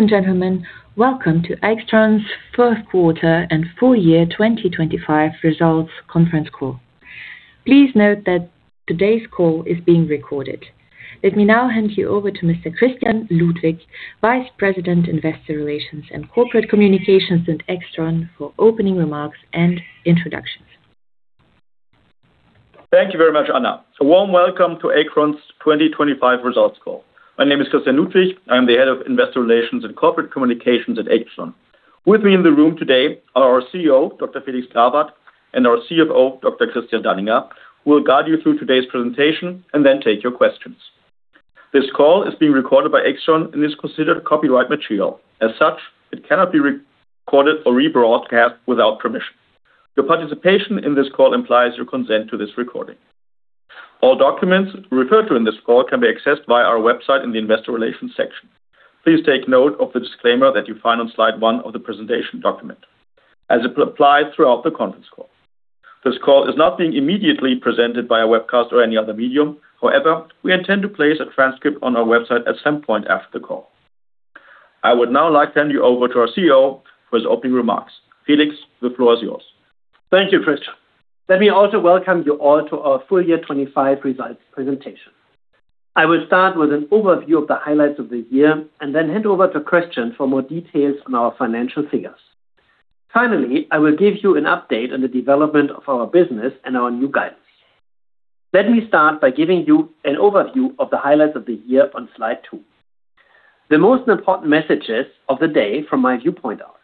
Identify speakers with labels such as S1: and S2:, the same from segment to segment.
S1: Ladies and gentlemen, welcome to AIXTRON's fourth quarter and full year 2025 results conference call. Please note that today's call is being recorded. Let me now hand you over to Mr. Christian Ludwig, Vice President, Investor Relations and Corporate Communications at AIXTRON, for opening remarks and introductions.
S2: Thank you very much, Anna. A warm welcome to AIXTRON's 2025 results call. My name is Christian Ludwig. I'm the Head of Investor Relations & Corporate Communications at AIXTRON. With me in the room today are our CEO, Dr. Felix Grawert, and our CFO, Dr. Christian Danninger, who will guide you through today's presentation and then take your questions. This call is being recorded by AIXTRON and is considered copyright material. As such, it cannot be recorded or rebroadcast without permission. Your participation in this call implies your consent to this recording. All documents referred to in this call can be accessed via our website in the Investor Relations section. Please take note of the disclaimer that you find on slide 1 of the presentation document, as it applies throughout the conference call. This call is not being immediately presented by a webcast or any other medium. We intend to place a transcript on our website at some point after the call. I would now like to hand you over to our CEO for his opening remarks. Felix, the floor is yours.
S3: Thank you, Christian. Let me also welcome you all to our full year 25 results presentation. I will start with an overview of the highlights of the year, and then hand over to Christian for more details on our financial figures. Finally, I will give you an update on the development of our business and our new guidance. Let me start by giving you an overview of the highlights of the year on slide 2. The most important messages of the day from my viewpoint are: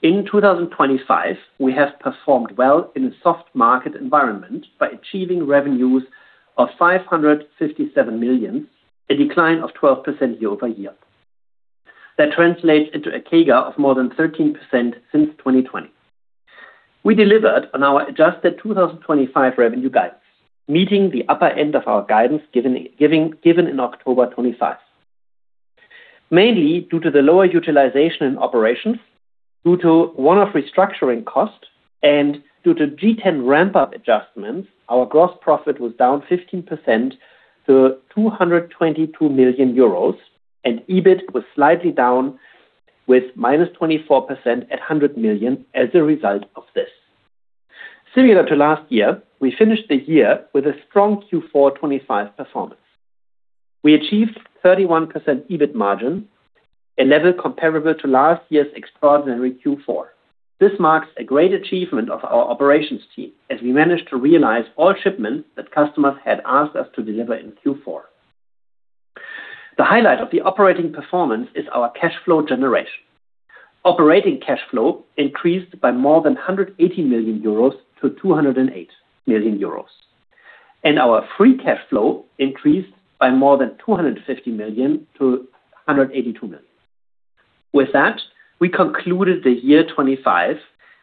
S3: In 2025, we have performed well in a soft market environment by achieving revenues of 557 million, a decline of 12% year-over-year. That translates into a CAGR of more than 13% since 2020. We delivered on our adjusted 2025 revenue guidance, meeting the upper end of our guidance given in October 2025. Mainly due to the lower utilization in operations, due to one-off restructuring costs, and due to G10 ramp-up adjustments, our gross profit was down 15% to 222 million euros, and EBIT was slightly down with -24% at 100 million as a result of this. Similar to last year, we finished the year with a strong Q4 2025 performance. We achieved 31% EBIT margin, a level comparable to last year's extraordinary Q4. This marks a great achievement of our operations team, as we managed to realize all shipments that customers had asked us to deliver in Q4. The highlight of the operating performance is our cash flow generation. Operating cash flow increased by more than 180 million euros to 208 million euros. Our free cash flow increased by more than 250 million to 182 million. With that, we concluded the year 2025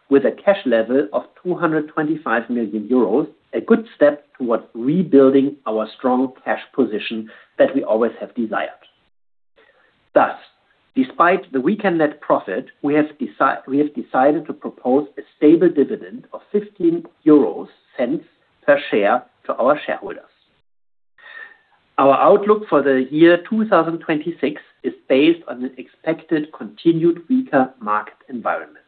S3: with a cash level of 225 million euros, a good step towards rebuilding our strong cash position that we always have desired. Despite the weaker net profit, we have decided to propose a stable dividend of 0.15 per share to our shareholders. Our outlook for the year 2026 is based on the expected continued weaker market environment.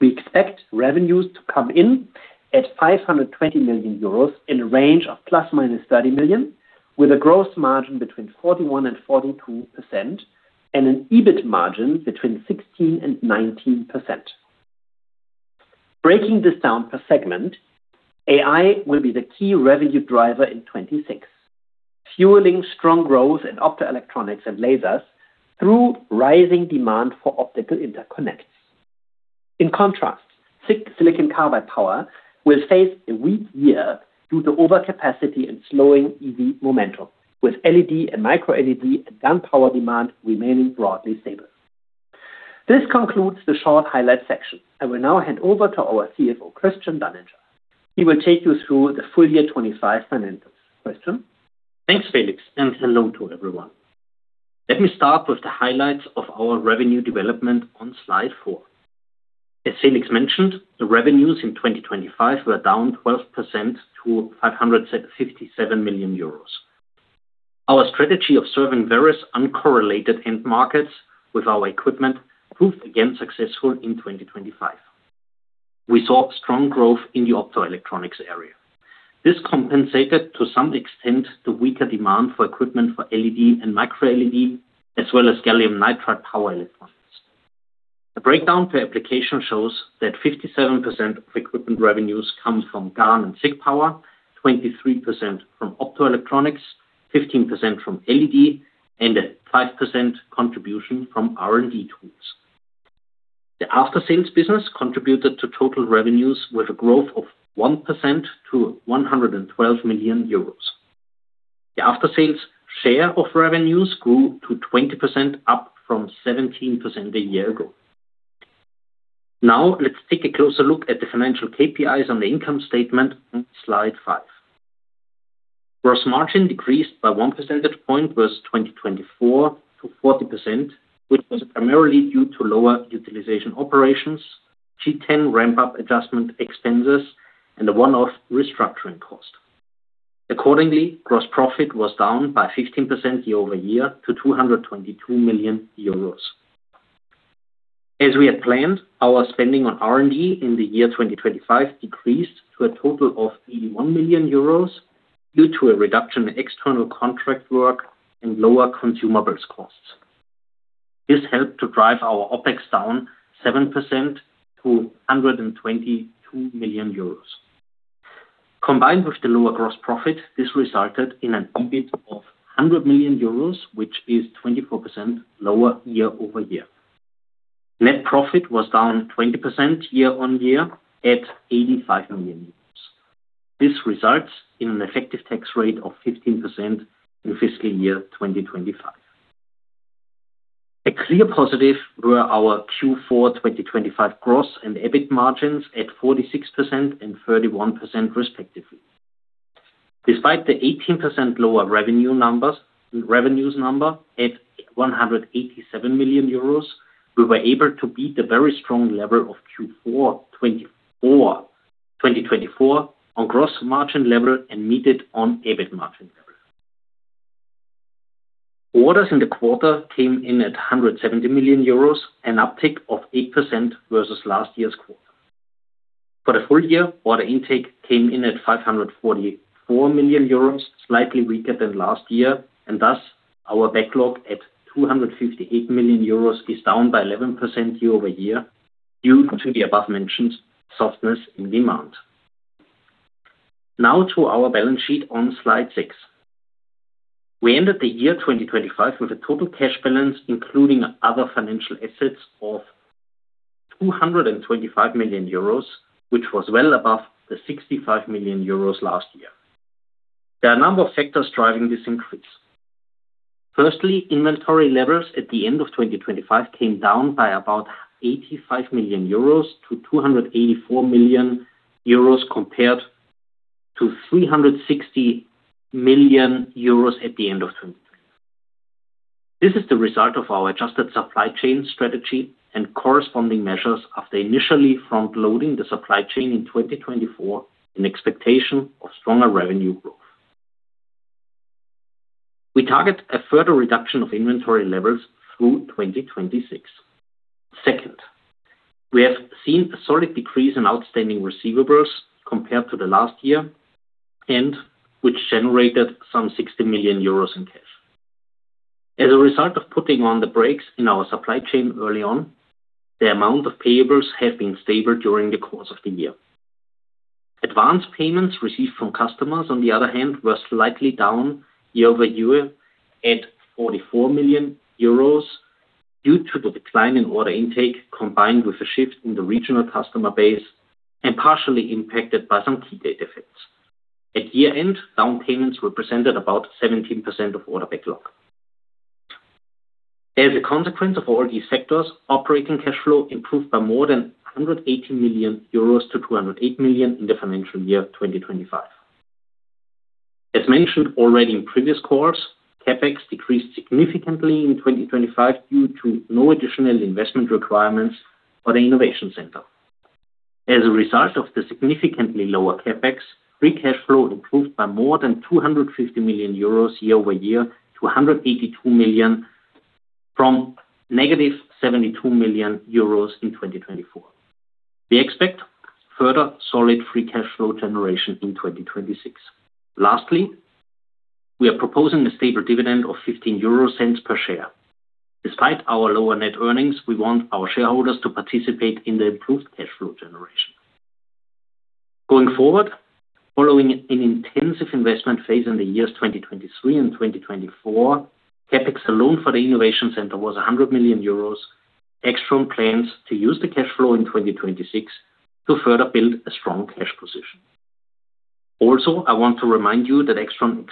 S3: We expect revenues to come in at 520 million euros in a range of ±30 million, with a gross margin between 41%-42%, and an EBIT margin between 16%-19%. Breaking this down per segment, AI will be the key revenue driver in 2026, fueling strong growth in optoelectronics and lasers through rising demand for optical interconnects. In contrast, SiC, silicon carbide power, will face a weak year due to overcapacity and slowing EV momentum, with LED and micro LED and GaN power demand remaining broadly stable. This concludes the short highlight section. I will now hand over to our CFO, Christian Danninger. He will take you through the full year 2025 financials. Christian?
S4: Thanks, Felix. Hello to everyone. Let me start with the highlights of our revenue development on slide 4. As Felix mentioned, the revenues in 2025 were down 12% to 557 million euros. Our strategy of serving various uncorrelated end markets with our equipment proved again successful in 2025. We saw strong growth in the optoelectronics area. This compensated, to some extent, the weaker demand for equipment for LED and micro LED, as well as gallium nitride power electronics. The breakdown per application shows that 57% of equipment revenues come from GaN and SiC power, 23% from optoelectronics, 15% from LED, and a 5% contribution from R&D tools. The after-sales business contributed to total revenues with a growth of 1% to 112 million euros. The after-sales share of revenues grew to 20%, up from 17% a year ago. Now, let's take a closer look at the financial KPIs on the income statement on slide 5. Gross margin decreased by 1 percentage point versus 2024 to 40%, which was primarily due to lower utilization operations, G10 ramp-up adjustment expenses, and a one-off restructuring cost. Accordingly, gross profit was down by 15% year-over-year to 222 million euros. As we had planned, our spending on R&D in the year 2025 decreased to a total of 81 million euros, due to a reduction in external contract work and lower consumables costs. This helped to drive our OpEx down 7% to 122 million euros. Combined with the lower gross profit, this resulted in an EBIT of 100 million euros, which is 24% lower year-over-year. Net profit was down 20% year-on-year, at 85 million euros. This results in an effective tax rate of 15% in fiscal year 2025. A clear positive were our Q4 2025 gross and EBIT margins at 46% and 31%, respectively. Despite the 18% lower revenue numbers, revenues number at 187 million euros, we were able to beat the very strong level of Q4 2024 on gross margin level and meet it on EBIT margin level. Orders in the quarter came in at 170 million euros, an uptick of 8% versus last year's quarter. For the full year, order intake came in at 544 million euros, slightly weaker than last year, and thus, our backlog at 258 million euros is down by 11% year-over-year, due to the above-mentioned softness in demand. Now to our balance sheet on slide 6. We ended the year 2025 with a total cash balance, including other financial assets, of 225 million euros, which was well above 65 million euros last year. There are a number of factors driving this increase. Firstly, inventory levels at the end of 2025 came down by about 85 million euros to 284 million euros, compared to 360 million euros at the end of 20. This is the result of our adjusted supply chain strategy and corresponding measures after initially front-loading the supply chain in 2024 in expectation of stronger revenue growth. We target a further reduction of inventory levels through 2026. Second, we have seen a solid decrease in outstanding receivables compared to the last year, and which generated some 60 million euros in cash. As a result of putting on the brakes in our supply chain early on, the amount of payables have been stable during the course of the year. Advanced payments received from customers, on the other hand, were slightly down year-over-year at 44 million euros, due to the decline in order intake, combined with a shift in the regional customer base and partially impacted by some key date effects. At year-end, down payments represented about 17% of order backlog. As a consequence of all these factors, operating cash flow improved by more than 180 million euros to 208 million in the financial year 2025. As mentioned already in previous calls, CapEx decreased significantly in 2025 due to no additional investment requirements for the innovation center. As a result of the significantly lower CapEx, free cash flow improved by more than 250 million euros year-over-year to 182 million, from negative 72 million euros in 2024. We expect further solid free cash flow generation in 2026. We are proposing a stable dividend of 0.15 per share. Despite our lower net earnings, we want our shareholders to participate in the improved cash flow generation. Going forward, following an intensive investment phase in the years 2023 and 2024, CapEx alone for the innovation center was 100 million euros. AIXTRON plans to use the cash flow in 2026 to further build a strong cash position. I want to remind you that AIXTRON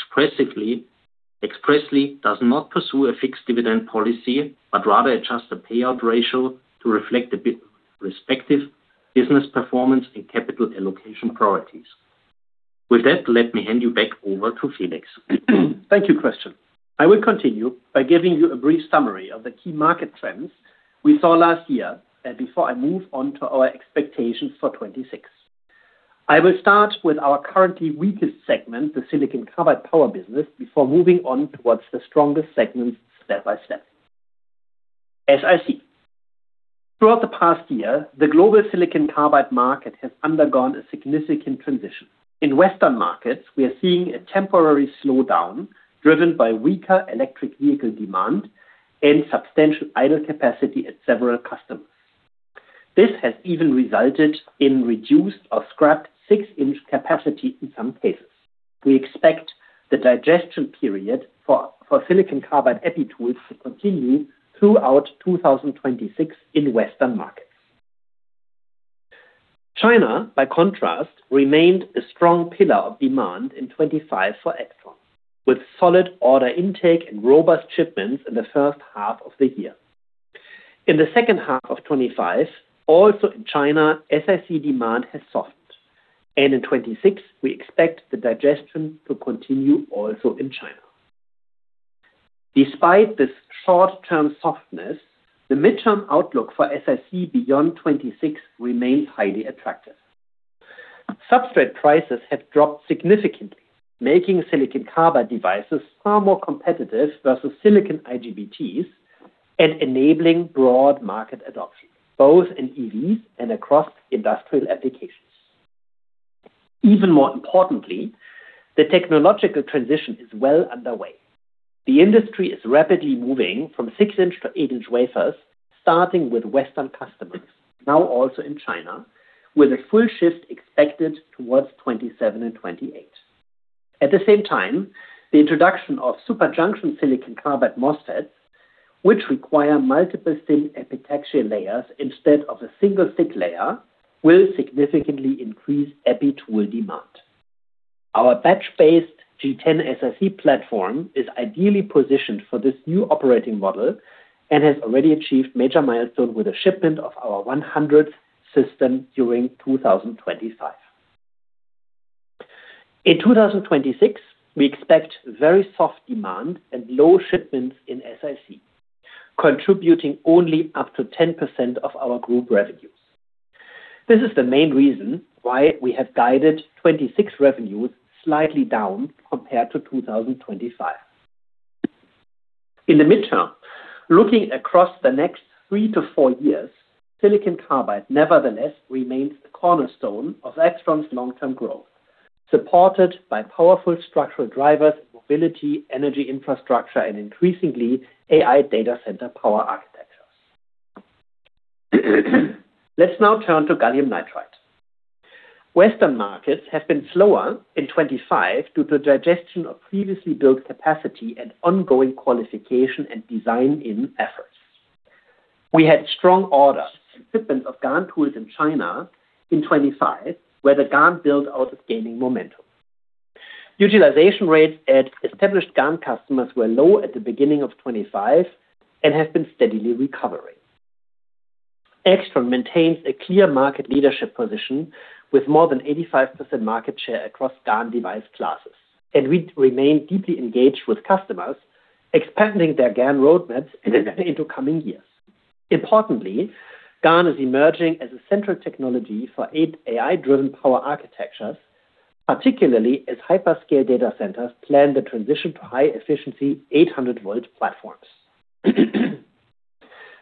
S4: expressly does not pursue a fixed dividend policy, but rather adjust the payout ratio to reflect the respective business performance and capital allocation priorities. With that, let me hand you back over to Felix.
S3: Thank you, Christian. I will continue by giving you a brief summary of the key market trends we saw last year, before I move on to our expectations for 2026. I will start with our currently weakest segment, the silicon carbide power business, before moving on towards the strongest segments step by step. As I see, throughout the past year, the global silicon carbide market has undergone a significant transition. In Western markets, we are seeing a temporary slowdown, driven by weaker electric vehicle demand and substantial idle capacity at several customers. This has even resulted in reduced or scrapped 6-inch capacity in some cases. We expect the digestion period for silicon carbide epi tools to continue throughout 2026 in Western markets. China, by contrast, remained a strong pillar of demand in 2025 for AIXTRON, with solid order intake and robust shipments in the first half of the year. In the second half of 2025, also in China, SiC demand has softened, and in 2026, we expect the digestion to continue also in China.... Despite this short-term softness, the midterm outlook for SiC beyond 2026 remains highly attractive. Substrate prices have dropped significantly, making silicon carbide devices far more competitive versus silicon IGBTs and enabling broad market adoption, both in EVs and across industrial applications. Even more importantly, the technological transition is well underway. The industry is rapidly moving from 6-inch to 8-inch wafers, starting with Western customers, now also in China, with a full shift expected towards 2027 and 2028. At the same time, the introduction of super junction silicon carbide MOSFETs, which require multiple thin epitaxial layers instead of a single thick layer, will significantly increase epi tool demand. Our batch-based G10-SiC platform is ideally positioned for this new operating model and has already achieved major milestone with the shipment of our 100th system during 2025. In 2026, we expect very soft demand and low shipments in SiC, contributing only up to 10% of our group revenues. This is the main reason why we have guided 2026 revenues slightly down compared to 2025. In the midterm, looking across the next 3 to 4 years, silicon carbide, nevertheless, remains the cornerstone of AIXTRON's long-term growth, supported by powerful structural drivers, mobility, energy infrastructure and increasingly, AI data center power architectures. Let's now turn to gallium nitride. Western markets have been slower in 2025 due to digestion of previously built capacity and ongoing qualification and design-in efforts. We had strong orders and shipments of GaN tools in China in 2025, where the GaN build out is gaining momentum. Utilization rates at established GaN customers were low at the beginning of 2025 and have been steadily recovering. AIXTRON maintains a clear market leadership position with more than 85% market share across GaN device classes, and we remain deeply engaged with customers, expanding their GaN roadmaps into coming years. Importantly, GaN is emerging as a central technology for AI-driven power architectures, particularly as hyperscale data centers plan the transition to high-efficiency 800 volt platforms.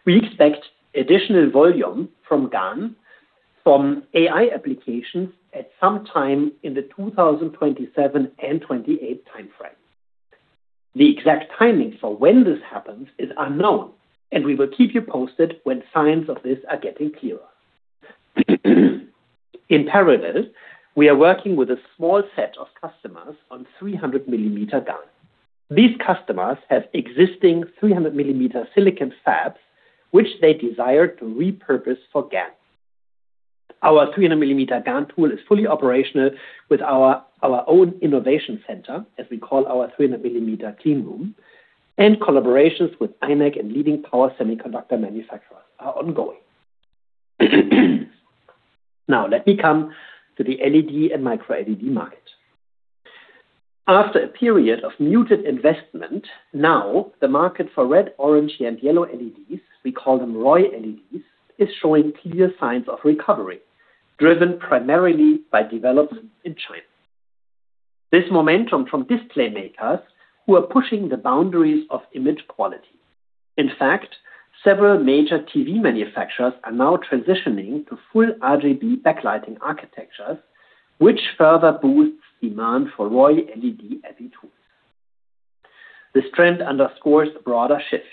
S3: We expect additional volume from GaN, from AI applications at some time in the 2027 and 2028 time frame. The exact timing for when this happens is unknown, and we will keep you posted when signs of this are getting clearer. In parallel, we are working with a small set of customers on 300 mm GaN. These customers have existing 300 mm silicon fabs, which they desire to repurpose for GaN. Our 300 mm GaN tool is fully operational with our own innovation center, as we call our 300 mm clean room, and collaborations with imec and leading power semiconductor manufacturers are ongoing. Let me come to the LED and micro LED market. After a period of muted investment, now the market for red, orange and yellow LEDs, we call them ROY LEDs, is showing clear signs of recovery, driven primarily by development in China. This momentum from display makers who are pushing the boundaries of image quality. In fact, several major TV manufacturers are now transitioning to full RGB backlighting architectures, which further boosts demand for ROY LED epi tools. This trend underscores a broader shift.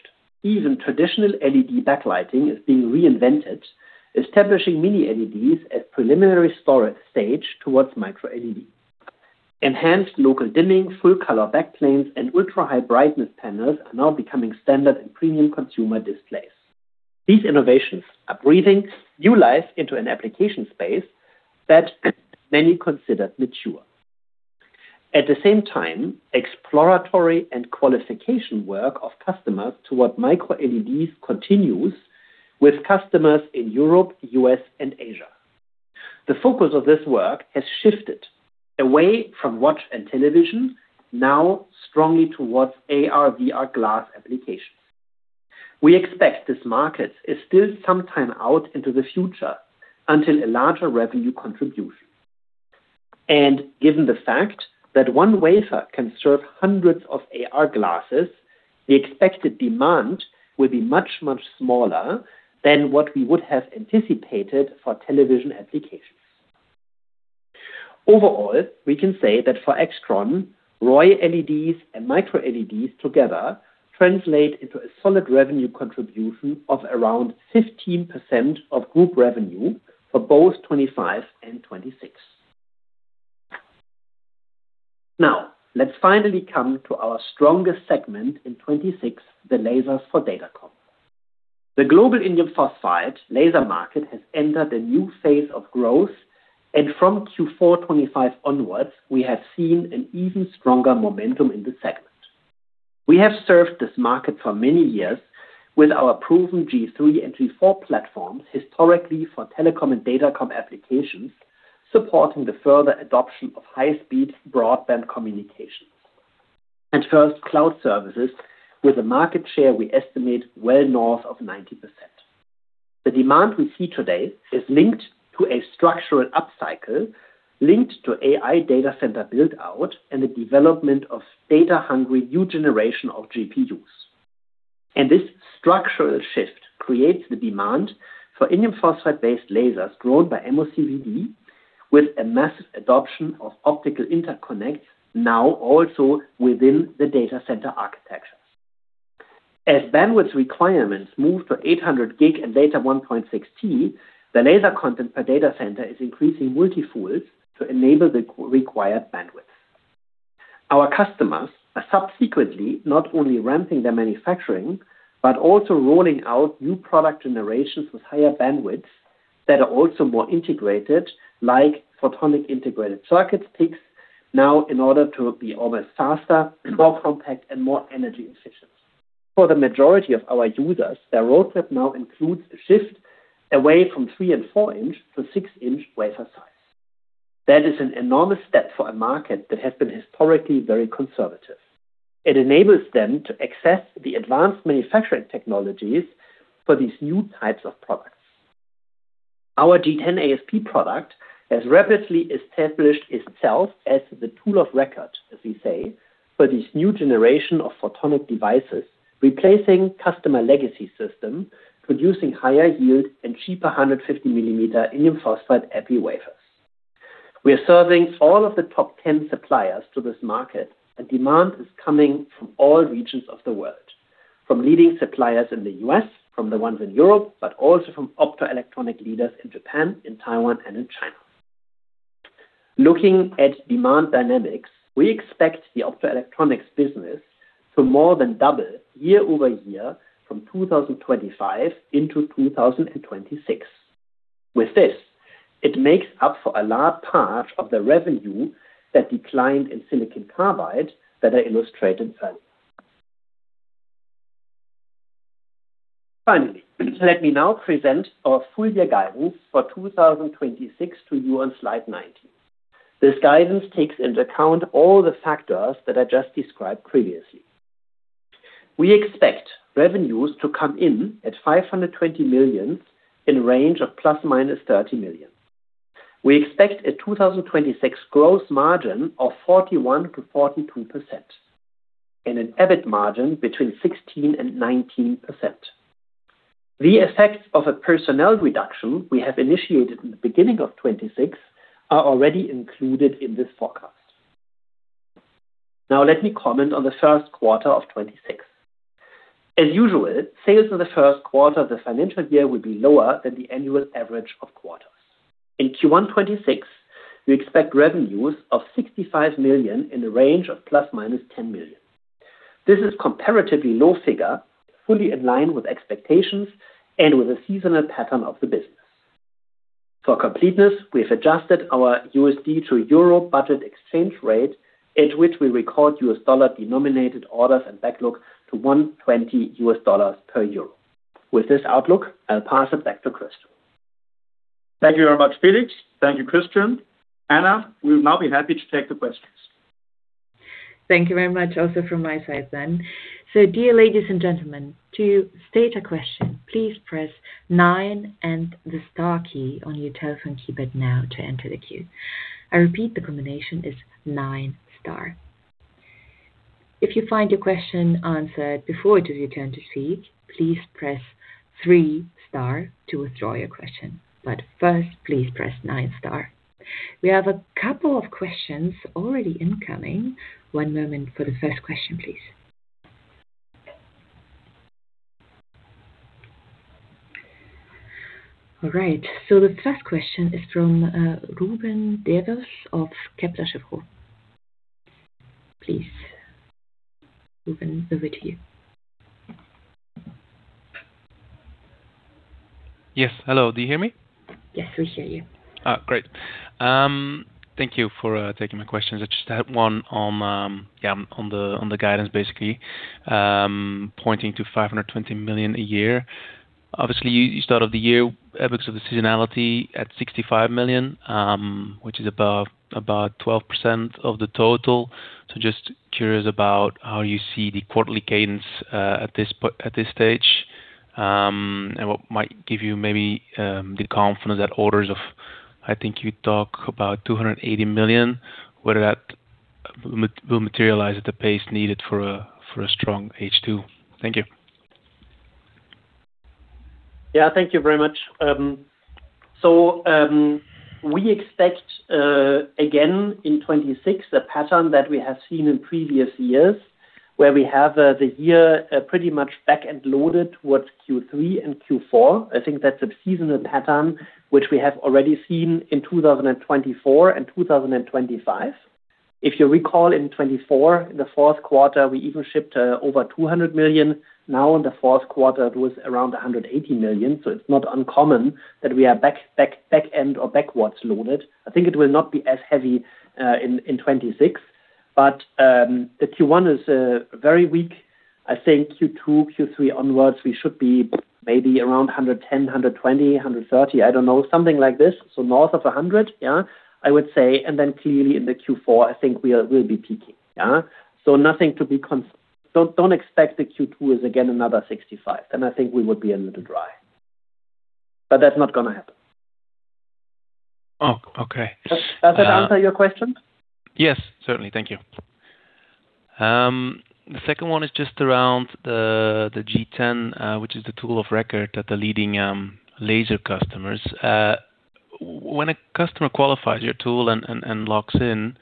S3: Even traditional LED backlighting is being reinvented, establishing mini LEDs as preliminary stepping stone towards micro LED. Enhanced local dimming, full color backplanes, and ultra-high brightness panels are now becoming standard in premium consumer displays. These innovations are breathing new life into an application space that many considered mature. The same time, exploratory and qualification work of customers toward micro LEDs continues with customers in Europe, U.S., and Asia. The focus of this work has shifted away from watch and television, now strongly towards AR/VR glass applications. We expect this market is still some time out into the future until a larger revenue contribution. Given the fact that 1 wafer can serve hundreds of AR glasses, the expected demand will be much smaller than what we would have anticipated for television applications. Overall, we can say that for AIXTRON, ROY LEDs and micro LEDs together translate into a solid revenue contribution of around 15% of group revenue for both 2025 and 2026. Now, let's finally come to our strongest segment in 2026, the lasers for Datacom. The global indium phosphide laser market has entered a new phase of growth, and from Q4 2025 onwards, we have seen an even stronger momentum in the segment. We have served this market for many years with our proven G3 and G4 platforms, historically for telecom and datacom applications. First, cloud services with a market share, we estimate well north of 90%. The demand we see today is linked to a structural upcycle, linked to AI data center build-out, and the development of data-hungry new generation of GPUs. This structural shift creates the demand for indium phosphide-based lasers grown by MOCVD, with a massive adoption of optical interconnects now also within the data center architecture. As bandwidth requirements move to 800G and Data 1.6T, the laser content per data center is increasing multi-folds to enable the required bandwidth. Our customers are subsequently not only ramping their manufacturing, but also rolling out new product generations with higher bandwidth that are also more integrated, like photonic integrated circuit PICs, now in order to be almost faster, more compact, and more energy efficient. For the majority of our users, their roadmap now includes a shift away from 3 and 4-inch to 6-inch wafer size. That is an enormous step for a market that has been historically very conservative. It enables them to access the advanced manufacturing technologies for these new types of products. Our G10-AsP product has rapidly established itself as the tool of record, as we say, for this new generation of photonic devices, replacing customer legacy system, producing higher yield and cheaper 150 millimeter indium phosphide epi wafers. We are serving all of the top 10 suppliers to this market, and demand is coming from all regions of the world, from leading suppliers in the U.S., from the ones in Europe, but also from optoelectronic leaders in Japan, in Taiwan and in China. Looking at demand dynamics, we expect the optoelectronics business to more than double year-over-year from 2025 into 2026. With this, it makes up for a large part of the revenue that declined in silicon carbide that I illustrated earlier. Let me now present our full year guidance for 2026 to you on slide 19. This guidance takes into account all the factors that I just described previously. We expect revenues to come in at 520 million in a range of ±30 million. We expect a 2026 gross margin of 41%-42% and an EBIT margin between 16% and 19%. The effects of a personnel reduction we have initiated in the beginning of 2026 are already included in this forecast. Let me comment on the first quarter of 2026. As usual, sales in the first quarter of the financial year will be lower than the annual average of quarters. In Q1 2026, we expect revenues of 65 million in the range of ±10 million. This is comparatively low figure, fully in line with expectations and with a seasonal pattern of the business. For completeness, we have adjusted our USD to EUR budget exchange rate, at which we record U.S. dollar denominated orders and backlog to $1.20 per EUR. With this outlook, I'll pass it back to Christian.
S2: Thank you very much, Felix. Thank you, Christian. Anna, we will now be happy to take the questions.
S1: Thank you very much, also from my side then. Dear ladies and gentlemen, to state a question, please press 9 and the star key on your telephone keypad now to enter the queue. I repeat, the combination is 9 star. If you find your question answered before it is your turn to speak, please press 3 star to withdraw your question. First, please press 9 star. We have a couple of questions already incoming. One moment for the first question, please. All right, the first question is from Ruben Devos of Kepler Cheuvreux. Please, Ruben, over to you.
S5: Yes, hello. Do you hear me?
S1: Yes, we hear you.
S5: Great. Thank you for taking my questions. I just had one on, yeah, on the, on the guidance, basically, pointing to 520 million a year. Obviously, you started the year, because of the seasonality at 65 million, which is about 12% of the total. Just curious about how you see the quarterly cadence at this stage, and what might give you maybe the confidence that orders of I think you talk about 280 million, whether that will materialize at the pace needed for a strong H2? Thank you.
S3: Yeah, thank you very much. We expect again, in 2026, a pattern that we have seen in previous years, where we have the year pretty much back and loaded towards Q3 and Q4. I think that's a seasonal pattern, which we have already seen in 2024 and 2025. If you recall, in 2024, in the fourth quarter, we even shipped over 200 million. Now, in the fourth quarter, it was around 180 million. It's not uncommon that we are back end or backwards loaded. I think it will not be as heavy in 2026. The Q one is very weak. I think Q two, Q three onwards, we should be maybe around 110, 120, 130, I don't know, something like this. North of 100, yeah. I would say, clearly in the Q4, I think we'll be peaking. Yeah. Nothing to be. Don't expect the Q2 is again, another 65, and I think we would be a little dry. That's not gonna happen.
S5: Oh, okay.
S3: Does that answer your question?
S5: Yes, certainly. Thank you. The second one is just around the G10, which is the tool of record that the leading laser customers. When a customer qualifies your tool and locks in,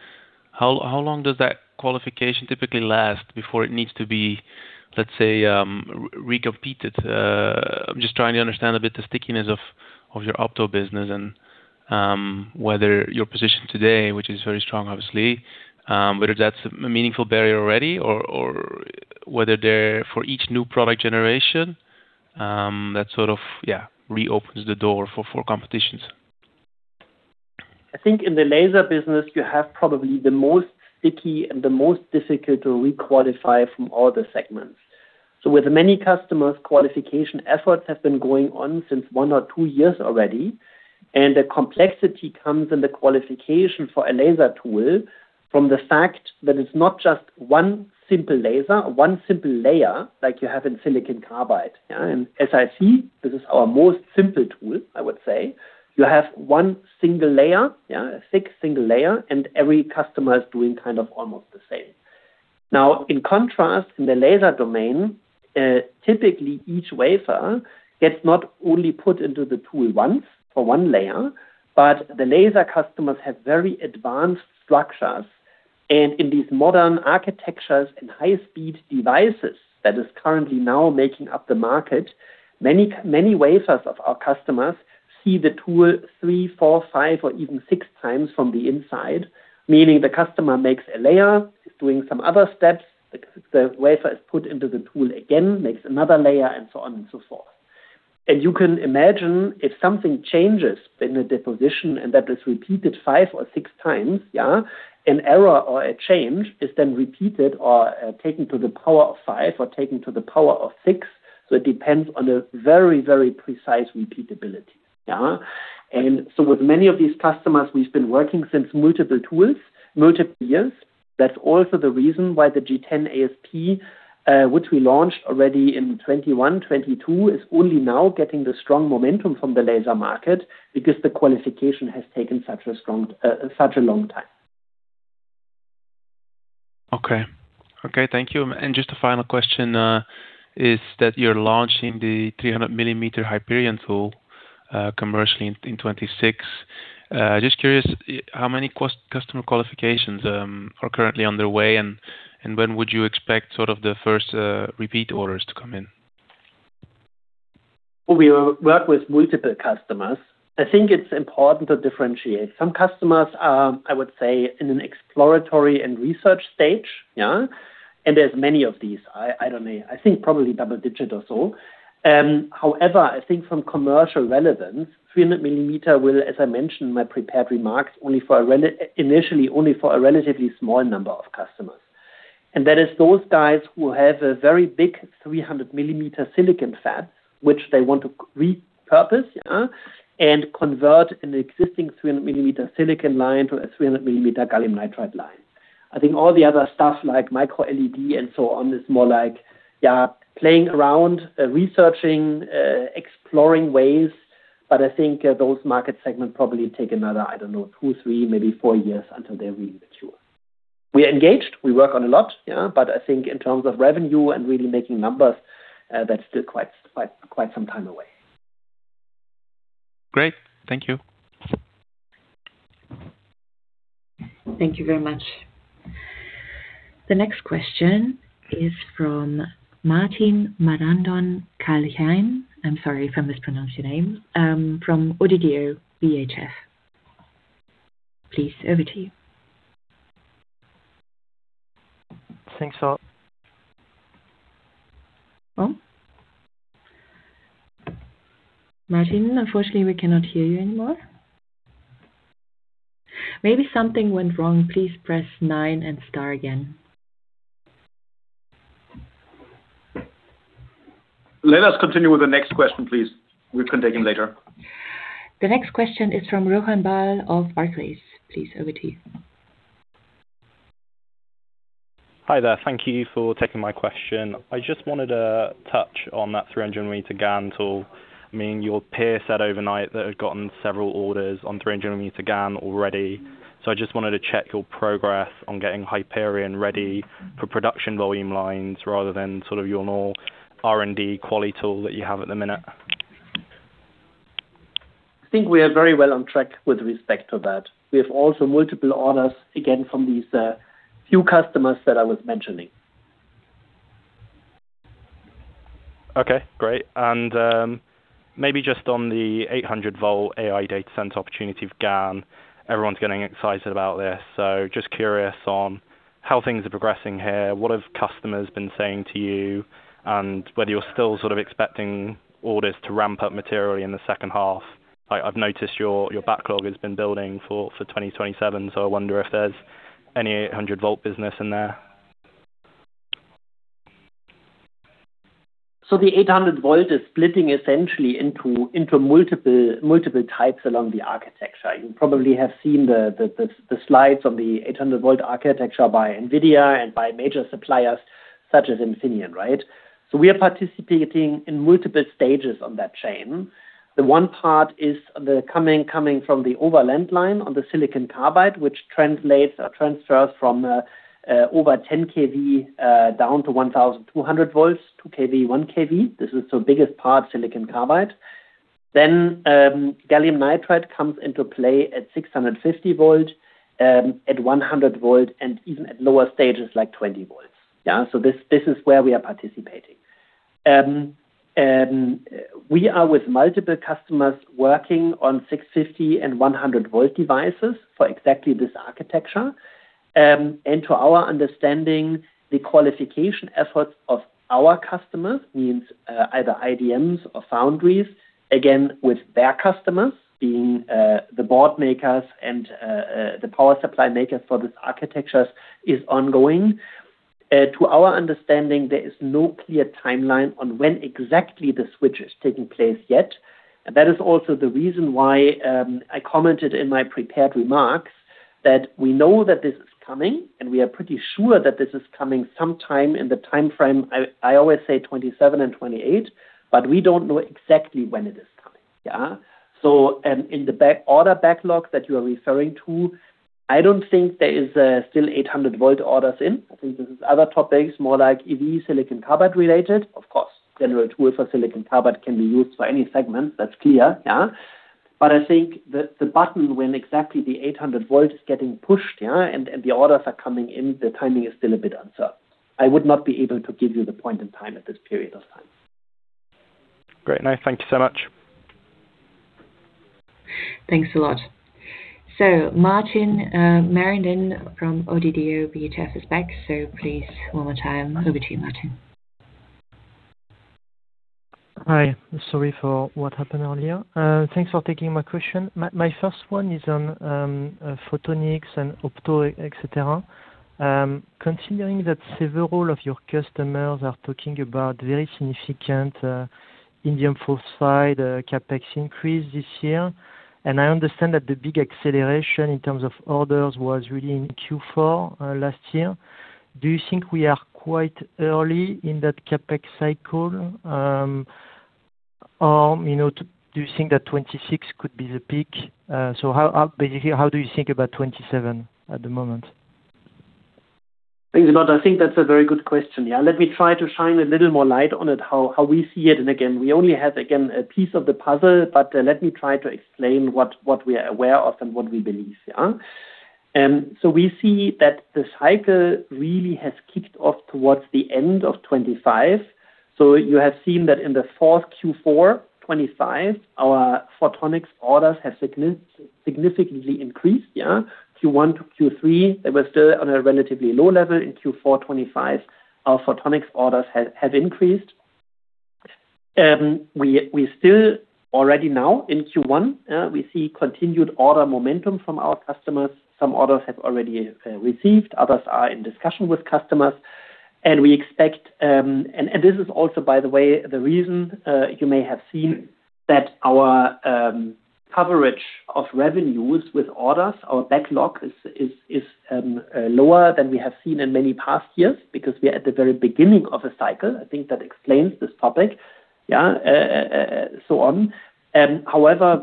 S5: how long does that qualification typically last before it needs to be, let's say, re-competed? I'm just trying to understand a bit the stickiness of your opto business and whether your position today, which is very strong, obviously, whether that's a meaningful barrier already or whether there for each new product generation, that sort of reopens the door for competitions?
S3: I think in the laser business, you have probably the most sticky and the most difficult to re-qualify from all the segments. With many customers, qualification efforts have been going on since 1 or 2 years already, and the complexity comes in the qualification for a laser tool from the fact that it's not just 1 simple laser, 1 simple layer like you have in silicon carbide. SiC, this is our most simple tool, I would say. You have 1 single layer, yeah, a thick single layer, and every customer is doing kind of almost the same. Now, in contrast, in the laser domain, typically each wafer gets not only put into the tool once for 1 layer, but the laser customers have very advanced structures. In these modern architectures and high-speed devices, that is currently now making up the market, many, many wafers of our customers see the tool three, four, five, or even six times from the inside, meaning the customer makes a layer, doing some other steps, the wafer is put into the tool again, makes another layer, and so on and so forth. You can imagine if something changes in the deposition and that is repeated five or six times, an error or a change is then repeated or taken to the power of five or taken to the power of six. It depends on a very, very precise repeatability. With many of these customers, we've been working since multiple tools, multiple years. That's also the reason why the G10-AsP, which we launched already in 2021, 2022, is only now getting the strong momentum from the laser market because the qualification has taken such a strong, such a long time.
S5: Okay, thank you. Just a final question, is that you're launching the 300 mm Hyperion tool commercially in 2026. Just curious, how many customer qualifications are currently underway, and when would you expect sort of the first repeat orders to come in?
S3: We work with multiple customers. I think it's important to differentiate. Some customers are, I would say, in an exploratory and research stage. Yeah, there's many of these. I don't know, I think probably double digit or so. However, I think from commercial relevance, 300 mm will, as I mentioned in my prepared remarks, only for a initially, only for a relatively small number of customers. That is those guys who have a very big 300 mm silicon fab, which they want to repurpose, yeah, and convert an existing 300 mm silicon line to a 300 mm gallium nitride line. I think all the other stuff like micro LED and so on, is more like, yeah, playing around, researching, exploring ways, but I think those market segments probably take another, I don't know, 2, 3, maybe 4 years until they're really mature. We are engaged, we work on a lot, yeah, but I think in terms of revenue and really making numbers, that's still quite some time away.
S5: Great. Thank you.
S1: Thank you very much. The next question is from Martin Marandon-Carlhian. I'm sorry if I mispronounced your name, from ODDO BHF. Please, over to you. Thanks a lot. Oh. Martin, unfortunately, we cannot hear you anymore. Maybe something went wrong. Please press 9 and star again.
S2: Let us continue with the next question, please. We can take him later.
S1: The next question is from Rohan Bahl of Barclays. Please, over to you.
S6: Hi there. Thank you for taking my question. I just wanted to touch on that 300 mm GaN tool. I mean, your peer said overnight that had gotten several orders on 300 mm GaN already. I just wanted to check your progress on getting Hyperion ready for production volume lines rather than sort of your more R&D quality tool that you have at the minute.
S3: I think we are very well on track with respect to that. We have also multiple orders, again, from these few customers that I was mentioning.
S6: Okay, great. Maybe just on the 800 volt AI data center opportunity of GaN, everyone's getting excited about this, so just curious on how things are progressing here, what have customers been saying to you, and whether you're still sort of expecting orders to ramp up materially in the second half? I've noticed your backlog has been building for 2027. I wonder if there's any 800 volt business in there?
S3: The 800 volt is splitting essentially into multiple types along the architecture. You probably have seen the slides of the 800 volt architecture by NVIDIA and by major suppliers such as Infineon, right? We are participating in multiple stages on that chain. The one part is the coming from the overland line on the silicon carbide, which translates or transfers from over 10 kV down to 1,200 volts, 2 kV, 1 kV. This is the biggest part, silicon carbide. gallium nitride comes into play at 650 volt, at 100 volt, and even at lower stages, like 20 volts. Yeah, this is where we are participating. We are with multiple customers working on 650 and 100 volt devices for exactly this architecture. To our understanding, the qualification efforts of our customers, means, either IDMs or foundries, again, with their customers being, the board makers and, the power supply makers for this architectures is ongoing. To our understanding, there is no clear timeline on when exactly the switch is taking place yet. That is also the reason why I commented in my prepared remarks that we know that this is coming, we are pretty sure that this is coming sometime in the time frame. I always say 2027 and 2028, we don't know exactly when it is coming. Yeah? In the order backlog that you are referring to, I don't think there is still 800 volt orders in. I think this is other topics, more like EV silicon carbide related. Of course, general tools for silicon carbide can be used for any segment. That's clear. Yeah. I think the button when exactly the 800 volt is getting pushed, yeah, and the orders are coming in, the timing is still a bit uncertain. I would not be able to give you the point in time at this period of time.
S6: Great. Nice. Thank you so much.
S1: Thanks a lot. Martin Marandon-Carlhian from ODDO BHF is back. Please, one more time, over to you, Martin.
S7: Hi. Sorry for what happened earlier. Thanks for taking my question. My first one is on photonics and opto, et cetera. Considering that several of your customers are talking about very significant indium phosphide CapEx increase this year, I understand that the big acceleration in terms of orders was really in Q4 last year. Do you think we are quite early in that CapEx cycle? Or, you know, do you think that 2026 could be the peak? How, basically, how do you think about 2027 at the moment?
S3: Thanks a lot. I think that's a very good question. Let me try to shine a little more light on it, how we see it, and again, we only have a piece of the puzzle, but let me try to explain what we are aware of and what we believe. We see that the cycle really has kicked off towards the end of 25. You have seen that in the fourth Q4 25, our photonics orders have significantly increased. Q1 to Q3, they were still on a relatively low level. In Q4 25, our photonics orders have increased. We still already now in Q1, we see continued order momentum from our customers. Some orders have already received, others are in discussion with customers. We expect this is also, by the way, the reason, you may have seen that our coverage of revenues with orders, our backlog is lower than we have seen in many past years, because we are at the very beginning of a cycle. I think that explains this topic, yeah.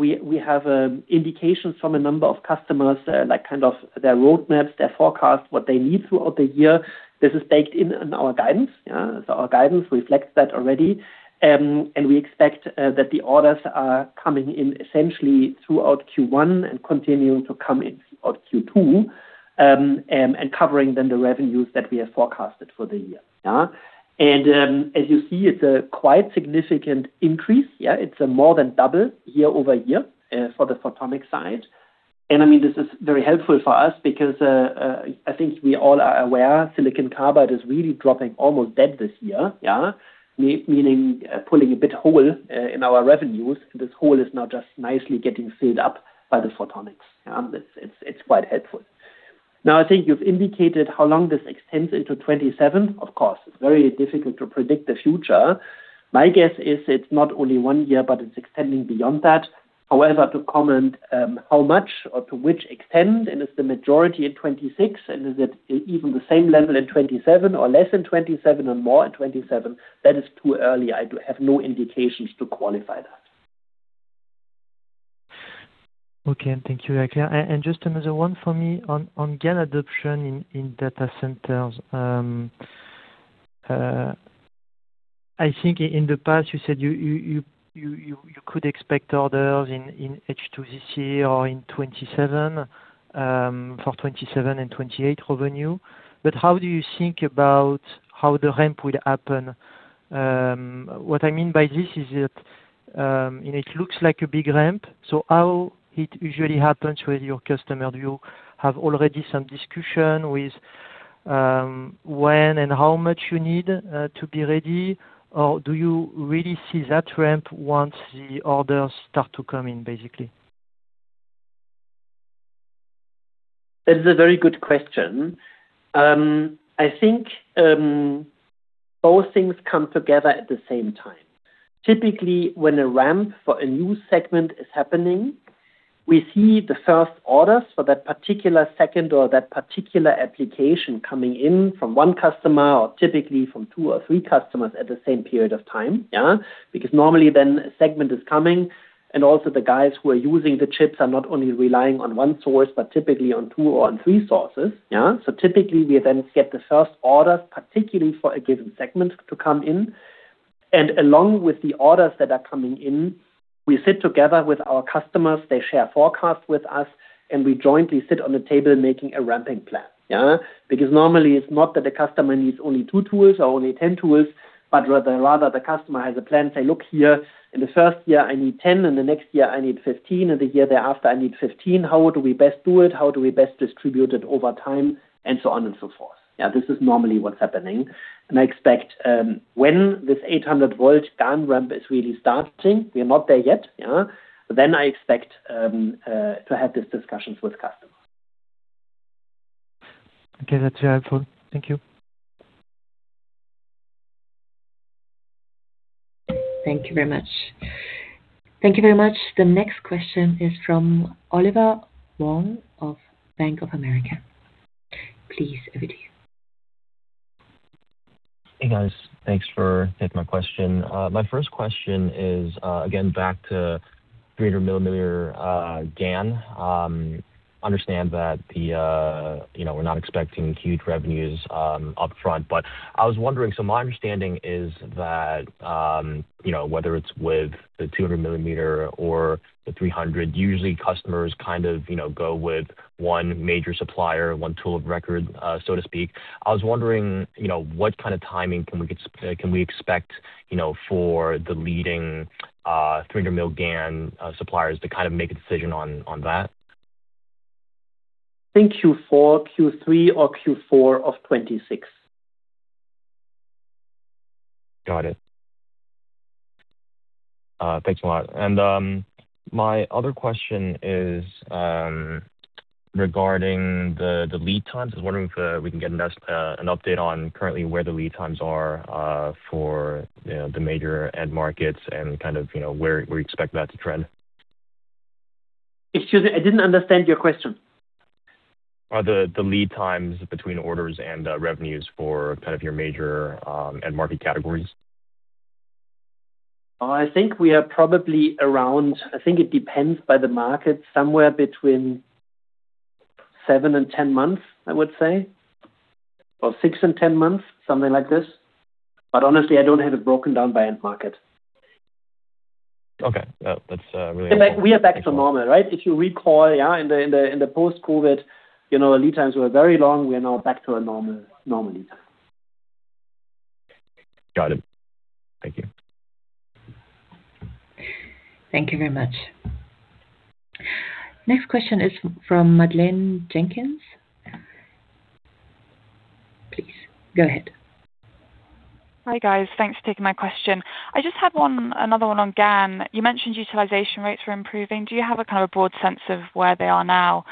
S3: We have indications from a number of customers, like, kind of their roadmaps, their forecast, what they need throughout the year. This is baked in on our guidance. Yeah, our guidance reflects that already. We expect that the orders are coming in essentially throughout Q1 and continuing to come in throughout Q2, and covering then the revenues that we have forecasted for the year. Yeah. As you see, it's a quite significant increase. Yeah, it's a more than double year-over-year for the photonic side. I mean, this is very helpful for us because I think we all are aware, silicon carbide is really dropping almost dead this year. Yeah. Meaning, pulling a bit hole in our revenues. This hole is now just nicely getting filled up by the photonics. It's quite helpful. Now, I think you've indicated how long this extends into 2027. Of course, it's very difficult to predict the future. My guess is it's not only one year, but it's extending beyond that. However, to comment, how much or to which extent, is the majority in 2026, and is it even the same level in 2027 or less than 2027 or more in 2027? That is too early. I do have no indications to qualify that.
S7: Okay, thank you, clear. Just another one for me on GaN adoption in data centers. I think in the past, you said you could expect orders in H2 this year or in 2027 for 2027 and 2028 revenue. How do you think about how the ramp will happen? What I mean by this is that it looks like a big ramp, so how it usually happens with your customer? Do you have already some discussion with when and how much you need to be ready? Or do you really see that ramp once the orders start to come in, basically?
S3: That is a very good question. I think both things come together at the same time. Typically, when a ramp for a new segment is happening, we see the first orders for that particular second or that particular application coming in from one customer or typically from two or three customers at the same period of time, yeah. Normally then a segment is coming, and also the guys who are using the chips are not only relying on one source, but typically on two or on three sources, yeah. Typically, we then get the first order, particularly for a given segment, to come in, and along with the orders that are coming in, we sit together with our customers, they share forecasts with us, and we jointly sit on the table making a ramping plan, yeah. Normally it's not that the customer needs only two tools or only 10 tools, but rather the customer has a plan. Say, "Look here, in the first year I need 10, in the next year I need 15, and the year thereafter I need 15. How do we best do it? How do we best distribute it over time?" So on and so forth. Yeah, this is normally what's happening. I expect, when this 800 volt GaN ramp is really starting, we are not there yet, yeah? I expect to have these discussions with customers.
S7: Okay, that's very helpful. Thank you.
S1: Thank you very much. Thank you very much. The next question is from Oliver Wong of Bank of America. Please, over to you.
S8: Hey, guys. Thanks for taking my question. My first question is again back to 300 mm GaN. Understand that, you know, we're not expecting huge revenues upfront, but I was wondering. My understanding is that, you know, whether it's with the 200 mm or the 300, usually customers kind of, you know, go with one major supplier, one tool of record, so to speak. I was wondering, you know, what kind of timing can we expect, you know, for the leading 300 mm GaN suppliers to kind of make a decision on that?
S3: I think Q4, Q3 or Q4 of 2026.
S8: Got it. Thanks a lot. My other question is, regarding the lead times. I was wondering if, we can get an update on currently where the lead times are, for, you know, the major end markets and kind of, you know, where you expect that to trend.
S3: Excuse me, I didn't understand your question.
S8: The lead times between orders and revenues for kind of your major end market categories.
S3: I think we are probably I think it depends by the market, somewhere between 7 and 10 months, I would say, or 6 and 10 months, something like this. Honestly, I don't have it broken down by end market.
S8: Okay. Well, that's.
S3: We are back to normal, right? If you recall, yeah, in the post-COVID, you know, our lead times were very long. We are now back to a normal lead time.
S8: Got it. Thank you.
S1: Thank you very much. Next question is from Madeleine Jenkins. Please, go ahead.
S9: Hi, guys. Thanks for taking my question. I just had one, another one on GaN. You mentioned utilization rates were improving. Do you have a kind of a broad sense of where they are now?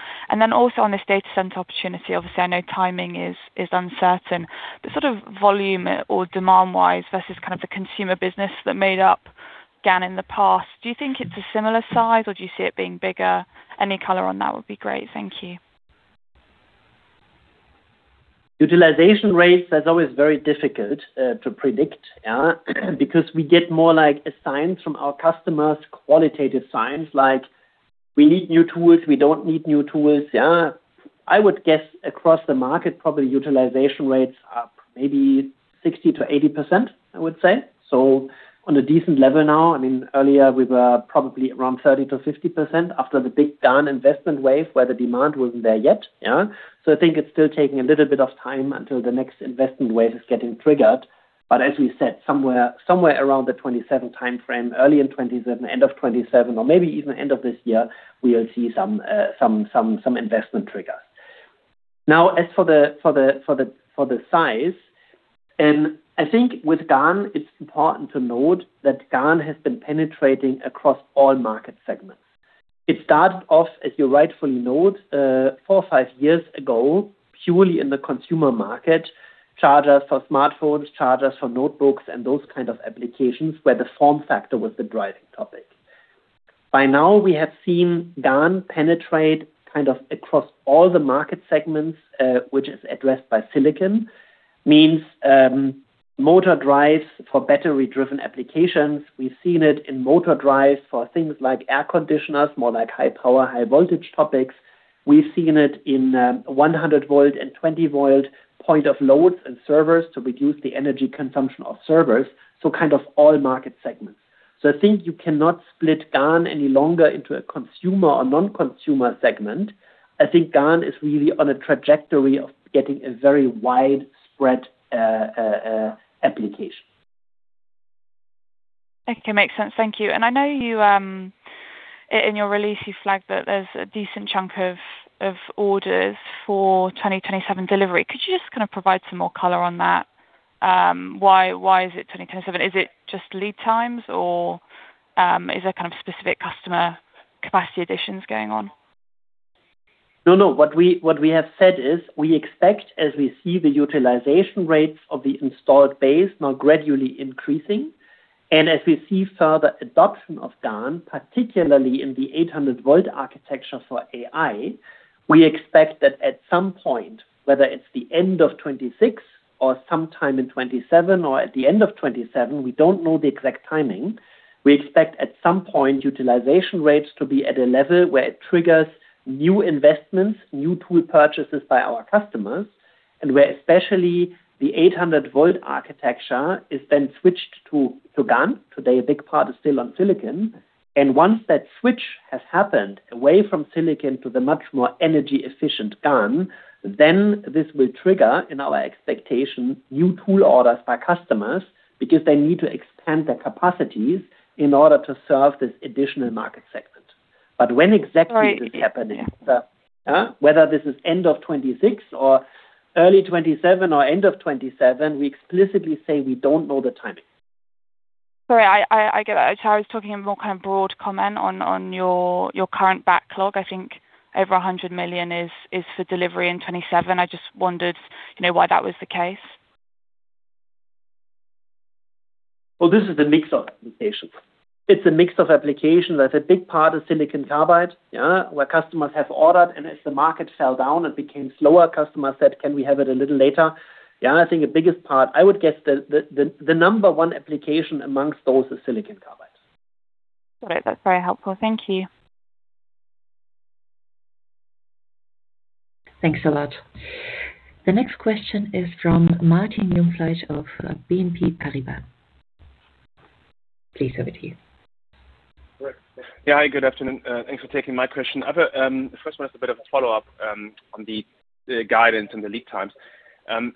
S9: Also on this data center opportunity, obviously, I know timing is uncertain, but sort of volume or demand-wise versus kind of the consumer business that made up GaN in the past, do you think it's a similar size or do you see it being bigger? Any color on that would be great. Thank you.
S3: Utilization rates, that's always very difficult to predict, yeah, because we get more like a sign from our customers, qualitative signs, like, "We need new tools. We don't need new tools." Yeah. I would guess across the market, probably utilization rates are maybe 60%-80%, I would say. On a decent level now, I mean, earlier we were probably around 30%-50% after the big down investment wave where the demand wasn't there yet. Yeah. I think it's still taking a little bit of time until the next investment wave is getting triggered. As we said, somewhere around the 2027 timeframe, early in 2027, end of 2027, or maybe even end of this year, we will see some investment trigger. Now, as for the size, I think with GaN, it's important to note that GaN has been penetrating across all market segments. It started off, as you rightfully note, four or five years ago, purely in the consumer market, chargers for smartphones, chargers for notebooks, and those kind of applications, where the form factor was the driving topic. By now, we have seen GaN penetrate kind of across all the market segments, which is addressed by silicon. Means, motor drives for battery-driven applications. We've seen it in motor drives for things like air conditioners, more like high power, high voltage topics. We've seen it in 100 volt and 20 volt point of loads and servers to reduce the energy consumption of servers. Kind of all market segments. I think you cannot split GaN any longer into a consumer or non-consumer segment. I think GaN is really on a trajectory of getting a very widespread application.
S9: Okay, makes sense. Thank you. I know you, in your release, you flagged that there's a decent chunk of orders for 2027 delivery. Could you just kind of provide some more color on that? Why, why is it 2027? Is it just lead times, or is there kind of specific customer capacity additions going on?
S3: No, no. What we have said is, we expect, as we see the utilization rates of the installed base now gradually increasing, and as we see further adoption of GaN, particularly in the 800 volt architecture for AI, we expect that at some point, whether it's the end of 2026 or sometime in 2027 or at the end of 2027, we don't know the exact timing. We expect at some point, utilization rates to be at a level where it triggers new investments, new tool purchases by our customers, and where especially the 800 volt architecture is then switched to GaN. Today, a big part is still on silicon, and once that switch has happened away from silicon to the much more energy efficient GaN, then this will trigger, in our expectation, new tool orders by customers, because they need to expand their capacities in order to serve this additional market segment. When exactly will be happening, whether this is end of 2026 or early 2027 or end of 2027, we explicitly say we don't know the timing.
S9: Sorry, I get that. I was talking a more kind of broad comment on your current backlog. I think over 100 million is for delivery in 2027. I just wondered, you know, why that was the case.
S3: Well, this is a mix of applications. It's a mix of applications. There's a big part of silicon carbide, yeah, where customers have ordered, and as the market fell down and became slower, customers said, "Can we have it a little later?" Yeah, I think the biggest part, I would guess the number one application amongst those is silicon carbide.
S9: All right. That's very helpful. Thank you.
S1: Thanks a lot. The next question is from Martin Jungfleisch of BNP Paribas. Please over to you.
S10: Yeah. Hi, good afternoon. Thanks for taking my question. I've, the first one is a bit of a follow-up on the guidance and the lead times.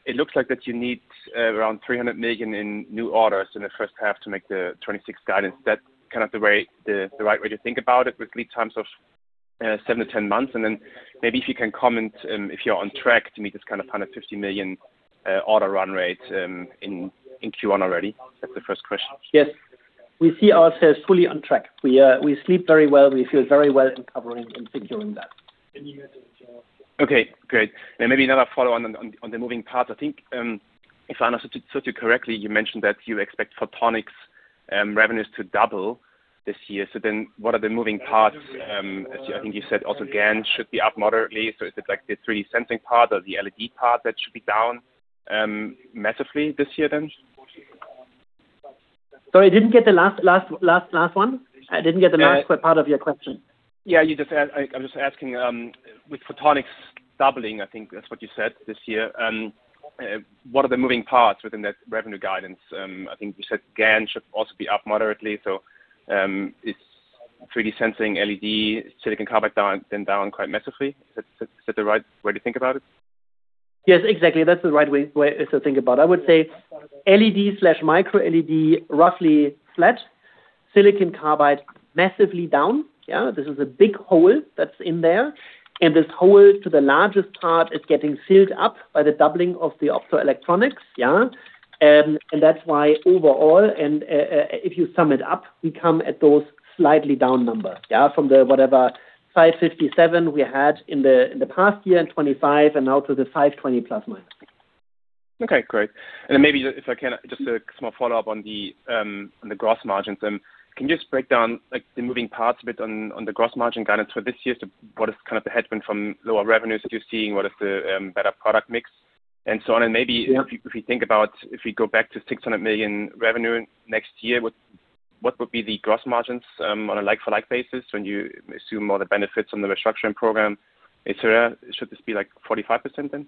S10: It looks like that you need around 300 million in new orders in the first half to make the 2026 guidance. Is that kind of the way, the right way to think about it, with lead times of 7-10 months? Maybe if you can comment if you're on track to meet this kind of 150 million order run rate in Q1 already. That's the first question.
S3: Yes. We see ourselves fully on track. We sleep very well. We feel very well in covering and securing that.
S10: Okay, great. Maybe another follow-on on the moving parts. I think, if I understood you correctly, you mentioned that you expect photonics, revenues to double this year. What are the moving parts? I think you said also GaN should be up moderately. Is it like the 3D sensing part or the LED part that should be down, massively this year?
S3: Sorry, I didn't get the last one. I didn't get the last part of your question.
S10: Yeah, you just asked, I'm just asking, with photonics doubling, I think that's what you said this year, what are the moving parts within that revenue guidance? I think you said GaN should also be up moderately, so, it's pretty sensing LED, silicon carbide down, then down quite massively. Is that the right way to think about it?
S3: Yes, exactly. That's the right way to think about. I would say LED/micro LED, roughly flat. silicon carbide, massively down. This is a big hole that's in there, and this hole, to the largest part, is getting filled up by the doubling of the optoelectronics, yeah? That's why overall, if you sum it up, we come at those slightly down numbers, yeah, from the whatever 557 we had in the past year and 25, and now to the 520 plus minus.
S10: Okay, great. Maybe if I can, just a small follow-up on the gross margins. Can you just break down, like, the moving parts a bit on the gross margin guidance for this year? What is kind of the headwind from lower revenues that you're seeing? What is the better product mix and so on?
S3: Yeah
S10: if you think about, if we go back to 600 million revenue next year, what would be the gross margins on a like-for-like basis when you assume all the benefits from the restructuring program, et cetera? Should this be like 45% then?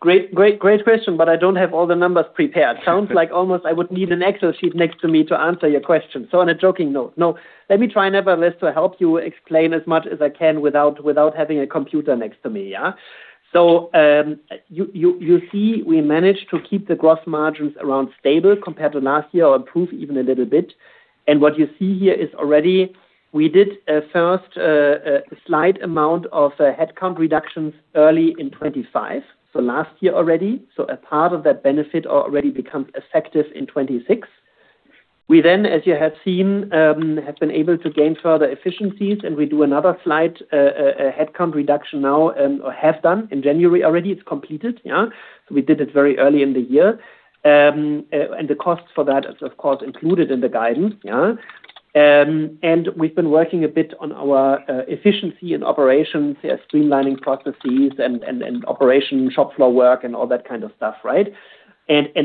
S3: Great question, but I don't have all the numbers prepared. Sounds like almost I would need an Excel sheet next to me to answer your question. On a joking note, no, let me try nevertheless, to help you explain as much as I can without having a computer next to me, yeah? You see, we managed to keep the gross margins around stable compared to last year, or improve even a little bit. What you see here is already, we did a first slight amount of headcount reductions early in 2025, so last year already. A part of that benefit already become effective in 2026. As you have seen, have been able to gain further efficiencies, and we do another slight headcount reduction now, or have done in January already. It's completed. Yeah. We did it very early in the year. The cost for that is, of course, included in the guidance. Yeah. We've been working a bit on our efficiency and operations, yeah, streamlining processes and operation shop floor work and all that kind of stuff, right?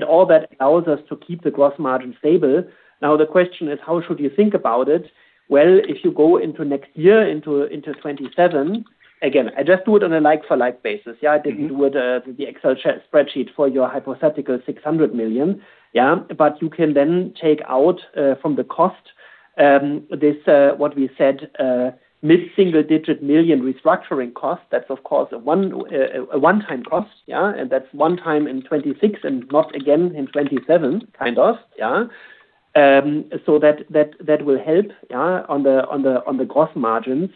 S3: All that allows us to keep the gross margin stable. The question is, how should you think about it? Well, if you go into next year, into 2027, again, I just do it on a like for like basis. Yeah, I didn't do it the Excel spreadsheet for your hypothetical 600 million. Yeah, you can then take out from the EUR mid-single digit million restructuring costs, that's of course, a one-time cost. Yeah, that's one time in 26 and not again in 27, kind of, yeah. That will help, yeah, on the gross margins.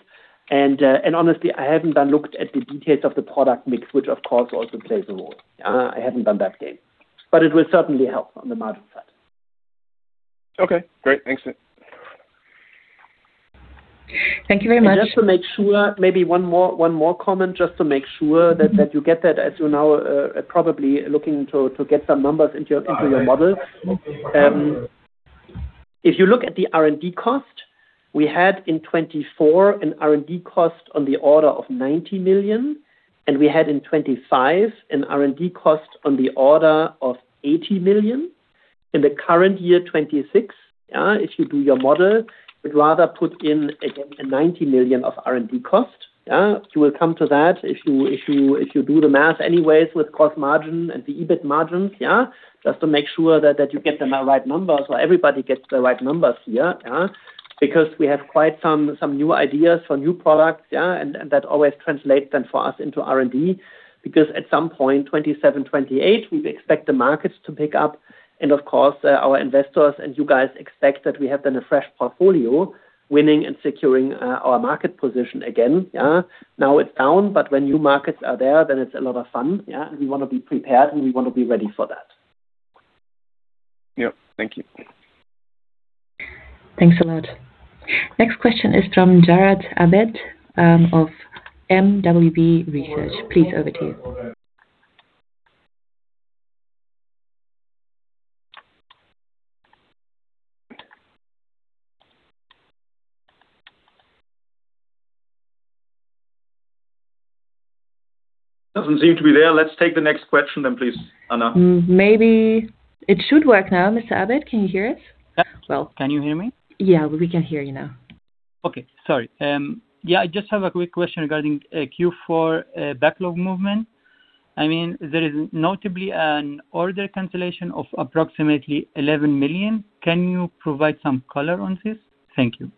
S3: Honestly, I haven't done looked at the details of the product mix, which of course also plays a role. I haven't done that yet, but it will certainly help on the margin side.
S10: Okay, great. Thanks.
S1: Thank you very much.
S3: Just to make sure, maybe one more comment, just to make sure that you get that as you're now probably looking to get some numbers into your model. If you look at the R&D cost, we had in 2024 an R&D cost on the order of 90 million, and we had in 2025 an R&D cost on the order of 80 million. In the current year, 2026, if you do your model, we'd rather put in again, a 90 million of R&D cost. You will come to that if you do the math anyways with cost margin and the EBIT margins. Just to make sure that you get the right numbers, so everybody gets the right numbers here. We have quite some new ideas for new products, and that always translates then for us into R&D. At some point, 2027, 2028, we expect the markets to pick up. Of course, our investors and you guys expect that we have then a fresh portfolio, winning and securing our market position again. Now it's down, but when new markets are there, then it's a lot of fun. We want to be prepared, and we want to be ready for that.
S10: Yep. Thank you.
S1: Thanks a lot. Next question is from Abed Jarad of MWB Research. Please, over to you.
S2: Doesn't seem to be there. Let's take the next question, please, Anna.
S1: Maybe it should work now. Mr. Abed, can you hear us?
S11: Can you hear me?
S1: Yeah, we can hear you now.
S11: Okay. Sorry. Yeah, I just have a quick question regarding Q4 backlog movement. I mean, there is notably an order cancellation of approximately 11 million. Can you provide some color on this? Thank you.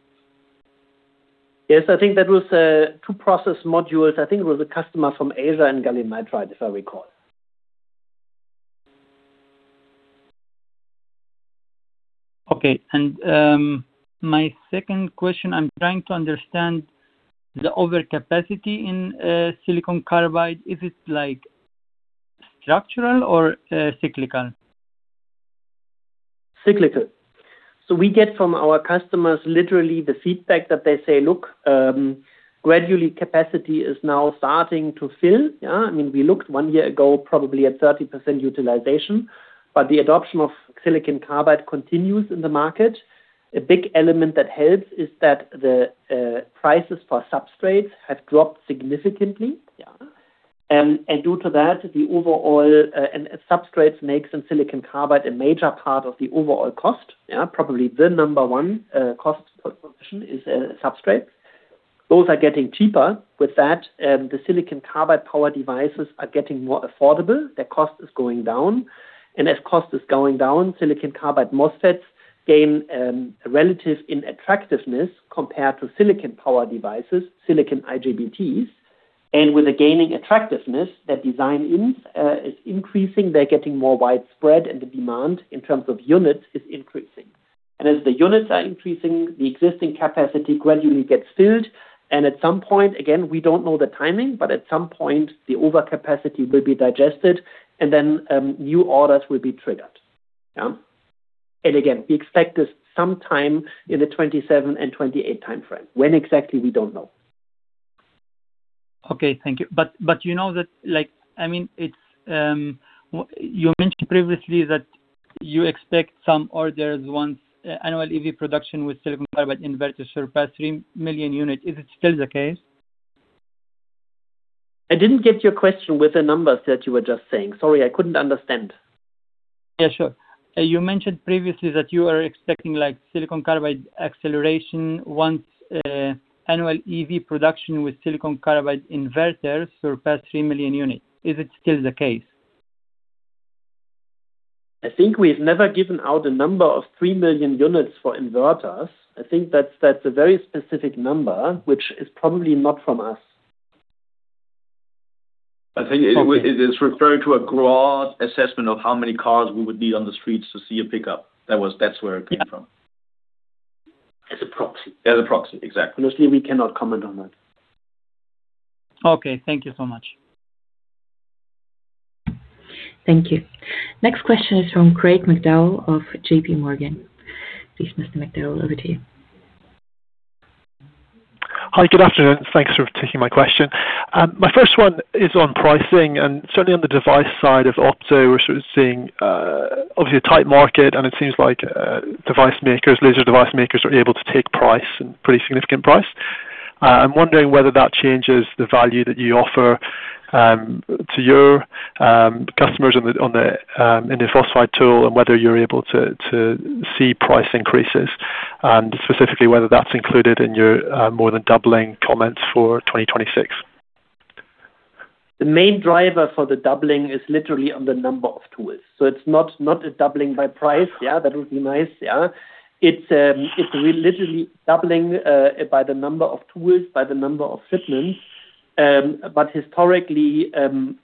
S3: Yes, I think that was two process modules. I think it was a customer from Asia and gallium nitride, if I recall.
S11: Okay. My second question, I'm trying to understand the overcapacity in silicon carbide. Is it like structural or cyclical?
S3: Cyclical. We get from our customers literally the feedback that they say, "Look, gradually capacity is now starting to fill." I mean, we looked one year ago, probably at 30% utilization, but the adoption of silicon carbide continues in the market. A big element that helps is that the prices for substrates have dropped significantly. Due to that, the overall, and substrates makes in silicon carbide a major part of the overall cost. Probably the number 1 cost position is substrate. Those are getting cheaper. With that, the silicon carbide power devices are getting more affordable, their cost is going down. As cost is going down, silicon carbide MOSFETs gain relative in attractiveness compared to silicon power devices, silicon IGBTs. With the gaining attractiveness, that design wins is increasing, they're getting more widespread, and the demand in terms of units is increasing. As the units are increasing, the existing capacity gradually gets filled, and at some point, again, we don't know the timing, but at some point the overcapacity will be digested, and then new orders will be triggered. Again, we expect this sometime in the 27 and 28 time frame. When exactly, we don't know.
S11: Okay, thank you. you know that, like, I mean, you mentioned previously that you expect some orders once annual EV production with silicon carbide inverters surpass 3 million units. Is it still the case?
S3: I didn't get your question with the numbers that you were just saying. Sorry, I couldn't understand.
S11: Yeah, sure. You mentioned previously that you are expecting, like, silicon carbide acceleration once annual EV production with silicon carbide inverters surpass 3 million units. Is it still the case?
S3: I think we've never given out a number of 3 million units for inverters. I think that's a very specific number, which is probably not from us.
S2: I think it is referring to a broad assessment of how many cars we would be on the streets to see a pickup. That's where it came from.
S3: As a proxy.
S2: As a proxy, exactly.
S3: Honestly, we cannot comment on that.
S11: Okay. Thank you so much.
S1: Thank you. Next question is from Craig McDowell of JP Morgan. Please, Mr. McDowell, over to you.
S12: Hi, good afternoon. Thanks for taking my question. My first one is on pricing, and certainly on the device side of Opto, we're sort of seeing obviously a tight market, and it seems like device makers, laser device makers are able to take price and pretty significant price. I'm wondering whether that changes the value that you offer to your customers on the indium phosphide tool, and whether you're able to see price increases, and specifically whether that's included in your more than doubling comments for 2026?
S3: The main driver for the doubling is literally on the number of tools. It's not a doubling by price. Yeah, that would be nice. Yeah. It's literally doubling by the number of tools, by the number of fitments. Historically,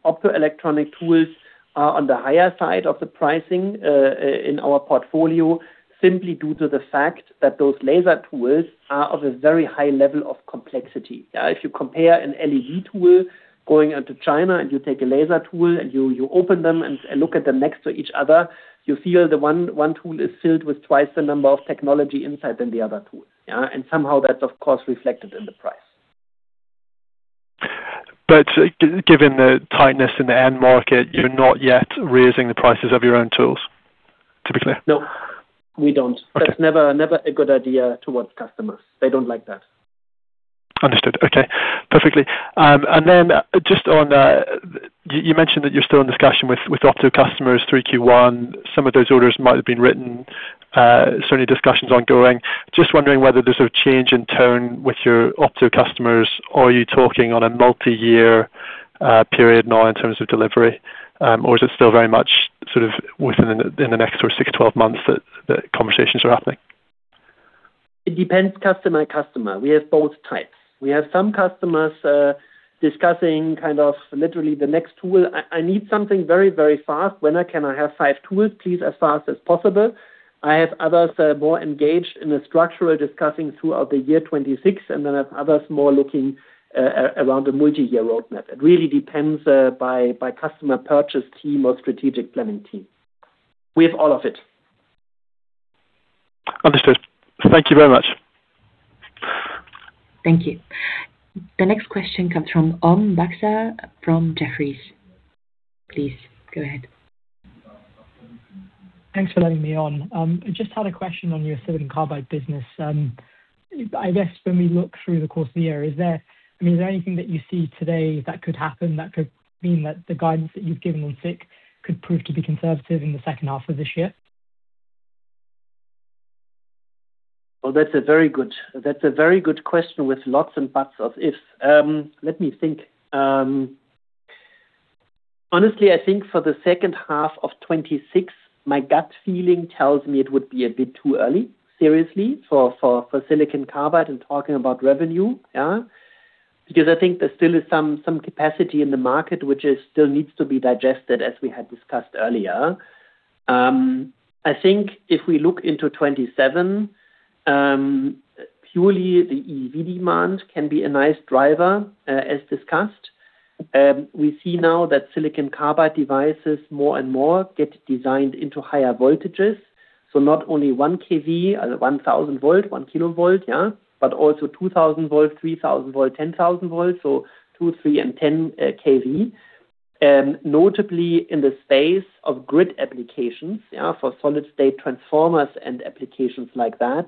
S3: optoelectronic tools are on the higher side of the pricing in our portfolio, simply due to the fact that those laser tools are of a very high level of complexity. Yeah, if you compare an LED tool going into China, and you take a laser tool and you open them and look at them next to each other, you feel the one tool is filled with twice the number of technology inside than the other tool. Yeah, somehow that's, of course, reflected in the price.
S12: Given the tightness in the end market, you're not yet raising the prices of your own tools, typically?
S3: No, we don't.
S12: Okay.
S3: That's never a good idea towards customers. They don't like that.
S12: Understood. Okay, perfectly. Just on you mentioned that you're still in discussion with opto customers through Q1. Some of those orders might have been written. Certainly, discussions ongoing. Just wondering whether there's a change in tone with your opto customers, or are you talking on a multi-year period now in terms of delivery? Is it still very much sort of within the next 6-12 months that conversations are happening?
S3: It depends, customer to customer. We have both types. We have some customers, discussing kind of literally the next tool. I need something very, very fast. When I can I have 5 tools, please, as fast as possible? I have others that are more engaged in a structural discussing throughout the year 2026. Then I have others more looking around a multi-year roadmap. It really depends by customer purchase team or strategic planning team. We have all of it.
S12: Understood. Thank you very much.
S1: Thank you. The next question comes from Om Bakhda from Jefferies. Please go ahead.
S13: Thanks for letting me on. I just had a question on your silicon carbide business. I guess when we look through the course of the year, I mean, is there anything that you see today that could happen, that could mean that the guidance that you've given on SiC could prove to be conservative in the second half of this year?
S3: Well, that's a very good question with lots and lots of ifs. Let me think. Honestly, I think for the second half of 2026, my gut feeling tells me it would be a bit too early, seriously, for silicon carbide and talking about revenue. Yeah. I think there still is some capacity in the market, which is still needs to be digested, as we had discussed earlier. I think if we look into 2027, purely the EV demand can be a nice driver, as discussed. We see now that silicon carbide devices, more and more, get designed into higher voltages. Not only 1 kV, 1,000 volt, 1 kilovolt, yeah, but also 2,000 volt, 3,000 volt, 10,000 volt. 2, 3, and 10 kV, notably in the space of grid applications, yeah, for solid-state transformers and applications like that.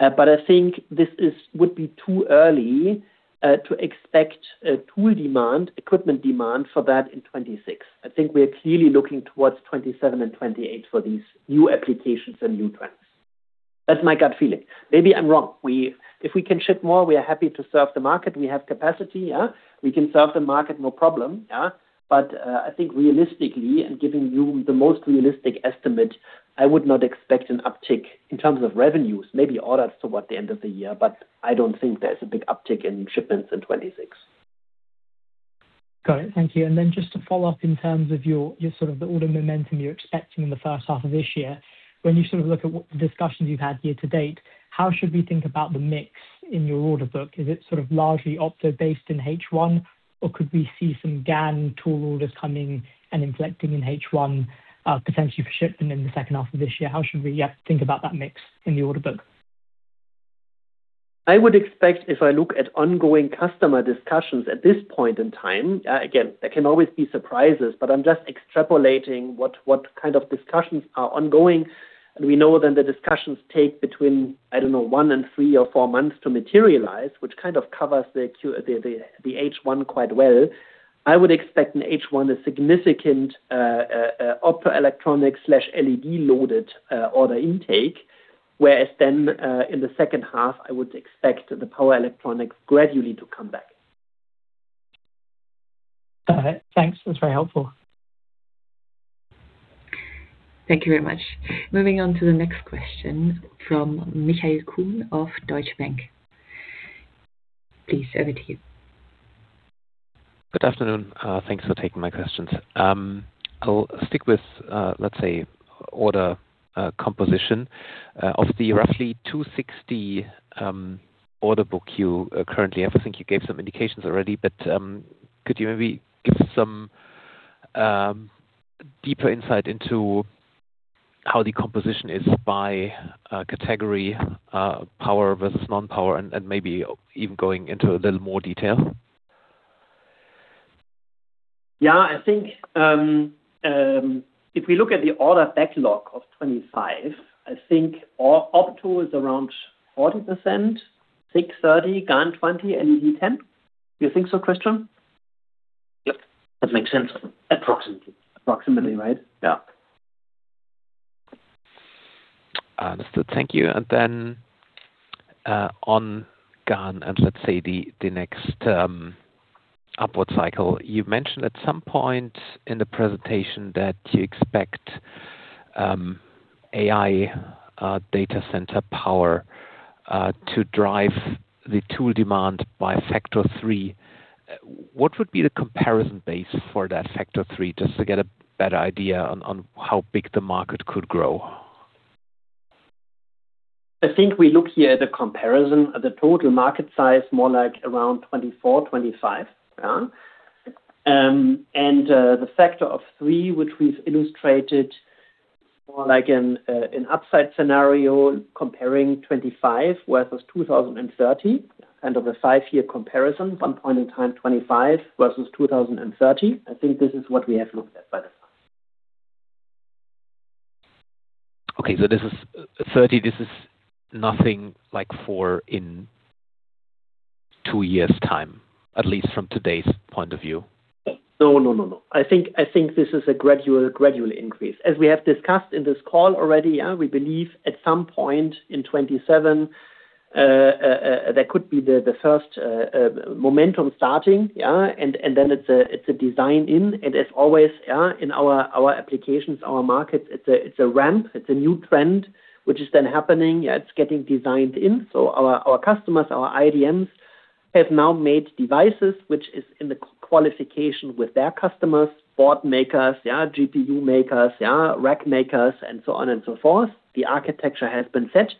S3: I think this is, would be too early to expect a tool demand, equipment demand for that in 2026. I think we are clearly looking towards 2027 and 2028 for these new applications and new trends. That's my gut feeling. Maybe I'm wrong. If we can ship more, we are happy to serve the market. We have capacity, yeah. We can serve the market, no problem, yeah. I think realistically, and giving you the most realistic estimate, I would not expect an uptick in terms of revenues, maybe orders toward the end of the year, but I don't think there's a big uptick in shipments in 2026.
S13: Got it. Thank you. Just to follow up in terms of your sort of the order momentum you're expecting in the first half of this year. When you sort of look at what the discussions you've had year to date, how should we think about the mix in your order book? Is it sort of largely opto based in H1, or could we see some GaN tool orders coming and inflecting in H1, potentially for shipping in the second half of this year? How should we think about that mix in the order book?
S3: I would expect if I look at ongoing customer discussions at this point in time, again, there can always be surprises, but I'm just extrapolating what kind of discussions are ongoing. We know that the discussions take between, I don't know, one and three or four months to materialize, which kind of covers the H1 quite well. I would expect in H1 a significant optoelectronic/LED loaded order intake, whereas then in the second half, I would expect the power electronics gradually to come back.
S13: Got it. Thanks. That's very helpful.
S1: Thank you very much. Moving on to the next question from Michael Kuhn of Deutsche Bank. Please, over to you.
S14: Good afternoon. Thanks for taking my questions. I'll stick with, let's say, order composition of the roughly 260 million order book you currently have. I think you gave some indications already, could you maybe give some deeper insight into how the composition is by category, power versus non-power, and maybe even going into a little more detail?
S3: I think, if we look at the order backlog of 2025, I think opto is around 40%, SiC 30%, GaN 20%, LED 10%. Do you think so, Christian?
S4: Yep, that makes sense. Approximately.
S3: Approximately, right? Yeah.
S14: Understood. Thank you. Then, on GaN and let's say the next, upward cycle, you mentioned at some point in the presentation that you expect, AI, data center power, to drive the tool demand by factor 3. What would be the comparison base for that factor 3, just to get a better idea on how big the market could grow?
S3: I think we look here at the comparison of the total market size, more like around 24, 25. The factor of 3, which we've illustrated more like in an upside scenario, comparing 25 versus 2030, and of a 5-year comparison, one point in time, 25 versus 2030. I think this is what we have looked at by the time.
S14: Okay, this is 30%, this is nothing like for in 2 years' time, at least from today's point of view?
S3: No, no, no. I think this is a gradual increase. As we have discussed in this call already, yeah, we believe at some point in 2027, there could be the first momentum starting, yeah, and then it's a design in. As always, yeah, in our applications, our markets, it's a ramp. It's a new trend, which is then happening. Yeah, it's getting designed in. Our customers, our IDMs, have now made devices, which is in the qualification with their customers, board makers, yeah, GPU makers, yeah, rack makers, and so on and so forth. The architecture has been set.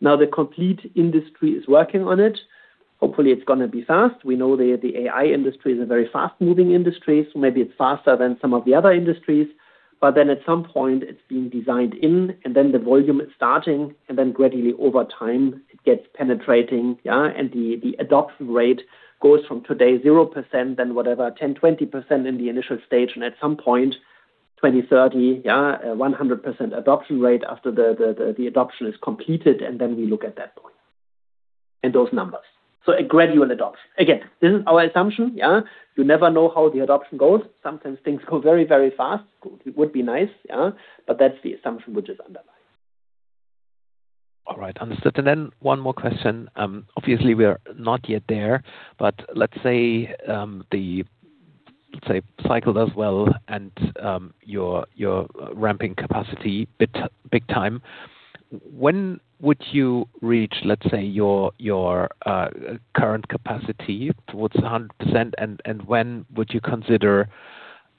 S3: The complete industry is working on it. Hopefully, it's gonna be fast. We know the AI industry is a very fast-moving industry, so maybe it's faster than some of the other industries, but then at some point it's being designed in, and then the volume is starting, and then gradually over time, it gets penetrating, yeah, and the adoption rate goes from today 0%, then whatever, 10%, 20% in the initial stage, and at some point, 20%, 30%, yeah, 100% adoption rate after the adoption is completed, and then we look at that point, and those numbers. A gradual adoption. Again, this is our assumption, yeah? You never know how the adoption goes. Sometimes things go very, very fast. It would be nice, yeah, but that's the assumption which is underlying.
S14: All right, understood. Then one more question. Obviously, we are not yet there, but let's say, the cycle does well and, you're ramping capacity big time. When would you reach, let's say, your current capacity towards 100%? When would you consider,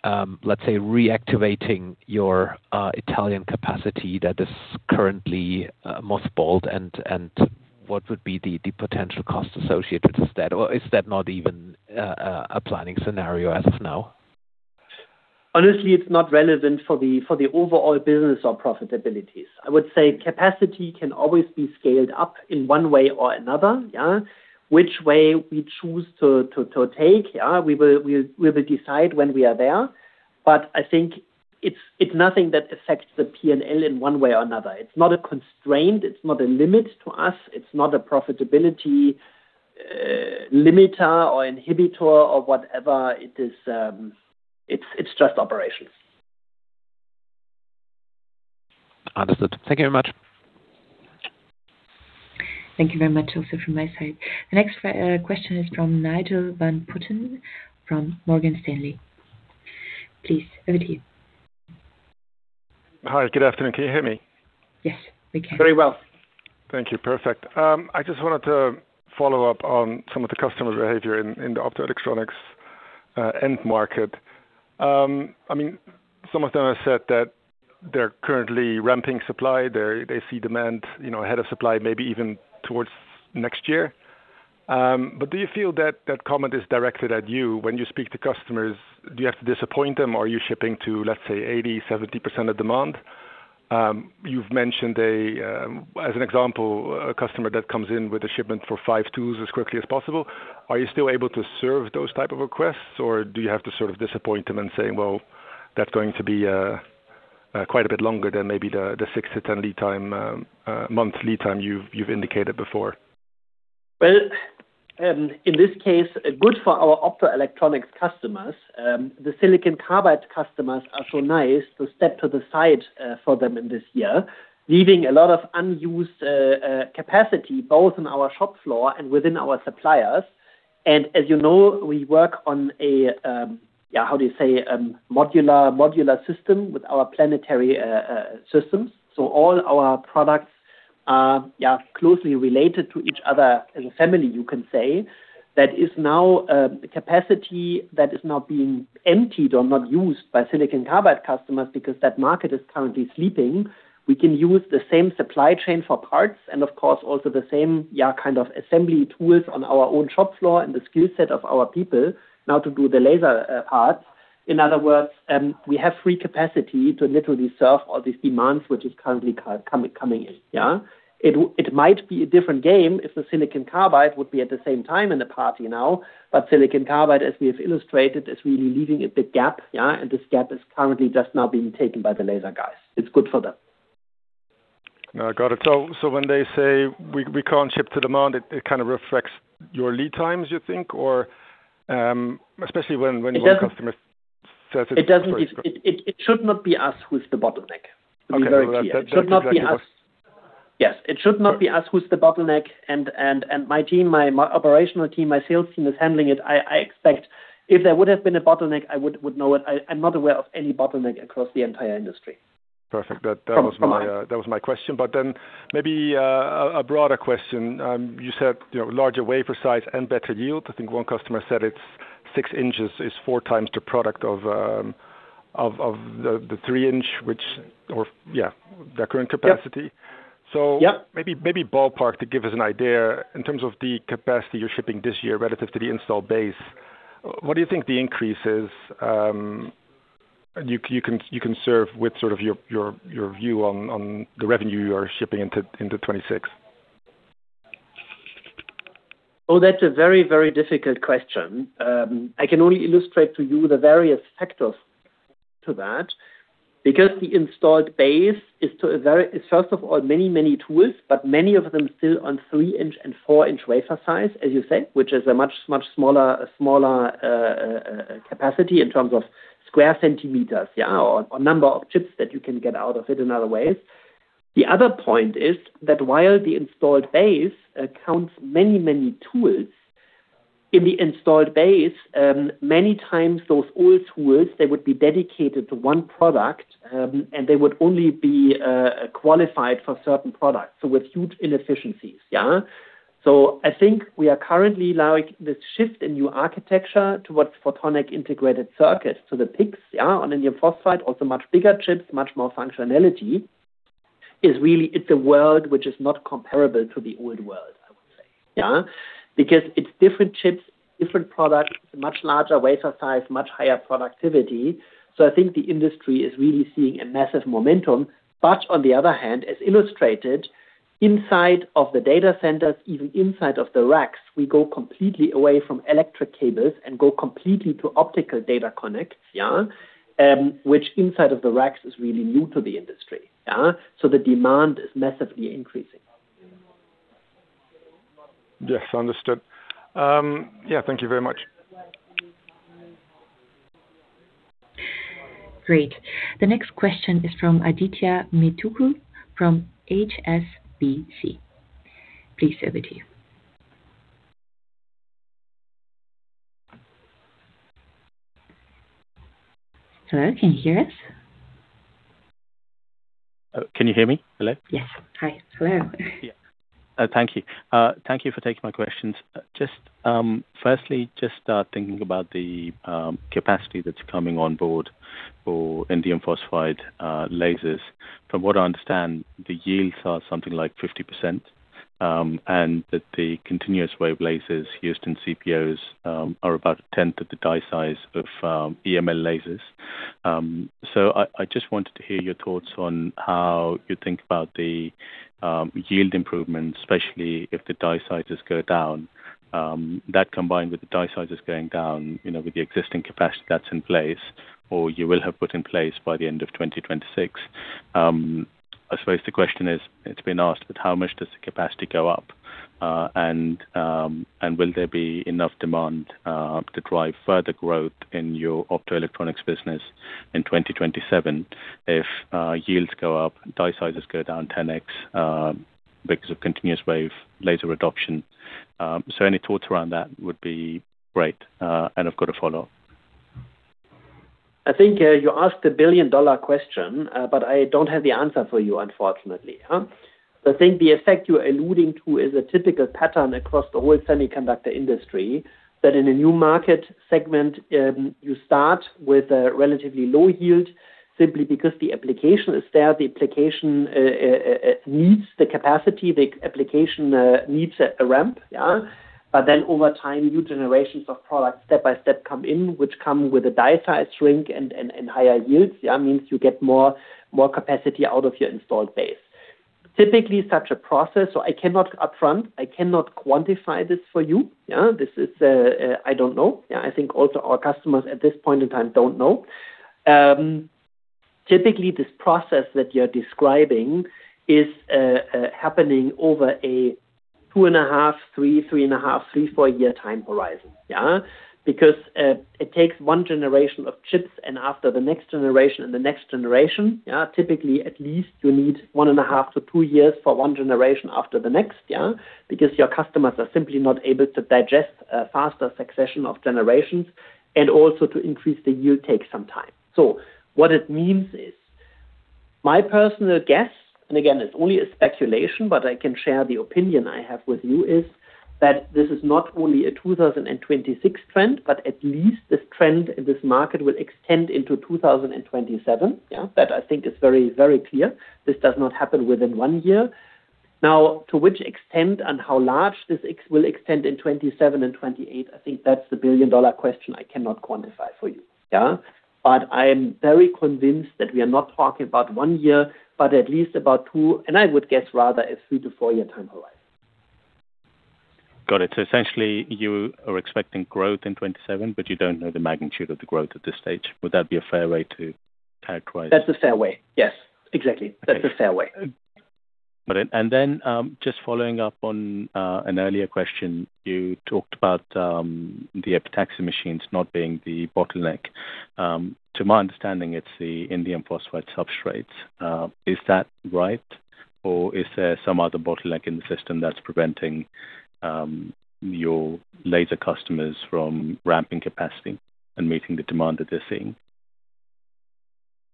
S14: let's say, reactivating your Italian capacity that is currently mothballed, and what would be the potential cost associated with that? Or is that not even a planning scenario as of now?
S3: Honestly, it's not relevant for the overall business or profitabilities. I would say capacity can always be scaled up in one way or another, yeah. Which way we choose to take, yeah, we will decide when we are there. I think it's nothing that affects the P&L in one way or another. It's not a constraint, it's not a limit to us, it's not a profitability limiter or inhibitor or whatever it is, it's just operations.
S14: Understood. Thank you very much.
S1: Thank you very much, also from my side. The next question is from Nigel van Putten from Morgan Stanley. Please, over to you.
S15: Hi, good afternoon. Can you hear me?
S1: Yes, we can.
S3: Very well.
S15: Thank you. Perfect. I just wanted to follow up on some of the customer behavior in the optoelectronics end market. I mean, some of them have said that they're currently ramping supply. They see demand, you know, ahead of supply, maybe even towards next year. Do you feel that that comment is directed at you? When you speak to customers, do you have to disappoint them, or are you shipping to, let's say, 80%, 70% of demand? You've mentioned as an example, a customer that comes in with a shipment for 5 tools as quickly as possible. Are you still able to serve those type of requests, or do you have to sort of disappoint them and say, "Well, that's going to be quite a bit longer than maybe the 6-10 lead time, month lead time you've indicated before?
S3: Well, in this case, good for our optoelectronics customers, the silicon carbide customers are so nice to step to the side for them in this year, leaving a lot of unused capacity, both in our shop floor and within our suppliers. As you know, we work on a, yeah, how do you say, modular system with our Planetary systems. All our products are, yeah, closely related to each other as a family, you can say. That is now a capacity that is now being emptied or not used by silicon carbide customers because that market is currently sleeping. We can use the same supply chain for parts and of course, also the same, yeah, kind of assembly tools on our own shop floor and the skill set of our people now to do the laser parts. In other words, we have free capacity to literally serve all these demands, which is currently coming in, yeah. It might be a different game if the silicon carbide would be at the same time in the party now. Silicon carbide, as we have illustrated, is really leaving a big gap, yeah. This gap is currently just now being taken by the laser guys. It's good for them.
S15: I got it. When they say, "We can't ship to demand," it kind of reflects your lead times, you think or, especially when you want customers-?
S3: It should not be us who's the bottleneck.
S15: Okay.
S3: Let me very clear. It should not be us. Yes, it should not be us who's the bottleneck, and my team, my operational team, my sales team is handling it. I expect if there would have been a bottleneck, I would know it. I'm not aware of any bottleneck across the entire industry.
S15: Perfect. That, that was my, that was my question. Maybe, a broader question. You said, you know, larger wafer size and better yield. I think one customer said it's 6 inches is 4 times the product of the 3 inch, which or, yeah, their current capacity.
S3: Yeah.
S15: Maybe ballpark, to give us an idea, in terms of the capacity you're shipping this year relative to the installed base, what do you think the increase is, you can serve with sort of your view on the revenue you are shipping into 2026?
S3: Oh, that's a very, very difficult question. I can only illustrate to you the various factors to that, because the installed base is first of all, many, many tools, but many of them still on 3 inch and 4 inch wafer size, as you said, which is a much, much smaller capacity in terms of square centimeters, yeah, or number of chips that you can get out of it in other ways. The other point is that while the installed base accounts many, many tools, in the installed base, many times those old tools, they would be dedicated to one product, and they would only be qualified for certain products, so with huge inefficiencies. Yeah? I think we are currently allowing this shift in new architecture towards photonic integrated circuits. The PICs on indium phosphide, also much bigger chips, much more functionality, is really it's a world which is not comparable to the old world, I would say. Yeah. It's different chips, different products, much larger wafer size, much higher productivity. I think the industry is really seeing a massive momentum. On the other hand, as illustrated, inside of the data centers, even inside of the racks, we go completely away from electric cables and go completely to optical interconnects. Yeah. Which inside of the racks is really new to the industry. Yeah. The demand is massively increasing.
S15: Yes, understood. Yeah, thank you very much.
S1: Great. The next question is from Adithya Metuku from HSBC. Please over to you. Hello, can you hear us?
S16: Can you hear me? Hello.
S1: Yes. Hi. Hello.
S16: Yeah. Thank you. Thank you for taking my questions. Just, firstly, just start thinking about the capacity that's coming on board for indium phosphide lasers. From what I understand, the yields are something like 50%, and that the continuous wave lasers used in CPOs are about a tenth of the die size of EML lasers. I just wanted to hear your thoughts on how you think about the yield improvements, especially if the die sizes go down. That combined with the die sizes going down, you know, with the existing capacity that's in place, or you will have put in place by the end of 2026. I suppose the question is, it's been asked, but how much does the capacity go up? Will there be enough demand to drive further growth in your optoelectronics business in 2027, if yields go up, die sizes go down 10x, because of continuous wave laser adoption? Any thoughts around that would be great, and I've got a follow-up.
S3: I think, you asked a billion-dollar question, but I don't have the answer for you, unfortunately. I think the effect you're alluding to is a typical pattern across the whole semiconductor industry, that in a new market segment, you start with a relatively low yield simply because the application is there, the application, needs the capacity, the application, needs a ramp. Yeah? Over time, new generations of products step by step, come in, which come with a die size shrink and higher yields. That means you get more capacity out of your installed base. Typically, such a process, so I cannot upfront, I cannot quantify this for you. Yeah? This is, I don't know. I think also our customers at this point in time don't know. Typically, this process that you're describing is happening over a two and a half, three and a half, three, four-year time horizon. Yeah. Because it takes one generation of chips. After the next generation and the next generation, yeah, typically, at least you need one and a half to two years for one generation after the next. Yeah. Because your customers are simply not able to digest a faster succession of generations, and also to increase the yield take some time. What it means is, my personal guess, and again, it's only a speculation, but I can share the opinion I have with you, is that this is not only a 2026 trend, but at least this trend in this market will extend into 2027. Yeah. That I think is very, very clear. This does not happen within 1 year. Now, to which extent and how large this will extend in 2027 and 2028, I think that's the billion-dollar question I cannot quantify for you. Yeah? I am very convinced that we are not talking about 1 year, but at least about 2, and I would guess rather a 3 to 4-year time horizon.
S16: Got it. Essentially, you are expecting growth in 2027, but you don't know the magnitude of the growth at this stage. Would that be a fair way to characterize?
S3: That's a fair way. Yes, exactly. That's a fair way. ...
S16: Just following up on an earlier question, you talked about the epitaxy machines not being the bottleneck. To my understanding, it's the indium phosphide substrates. Is that right? Or is there some other bottleneck in the system that's preventing your laser customers from ramping capacity and meeting the demand that they're seeing?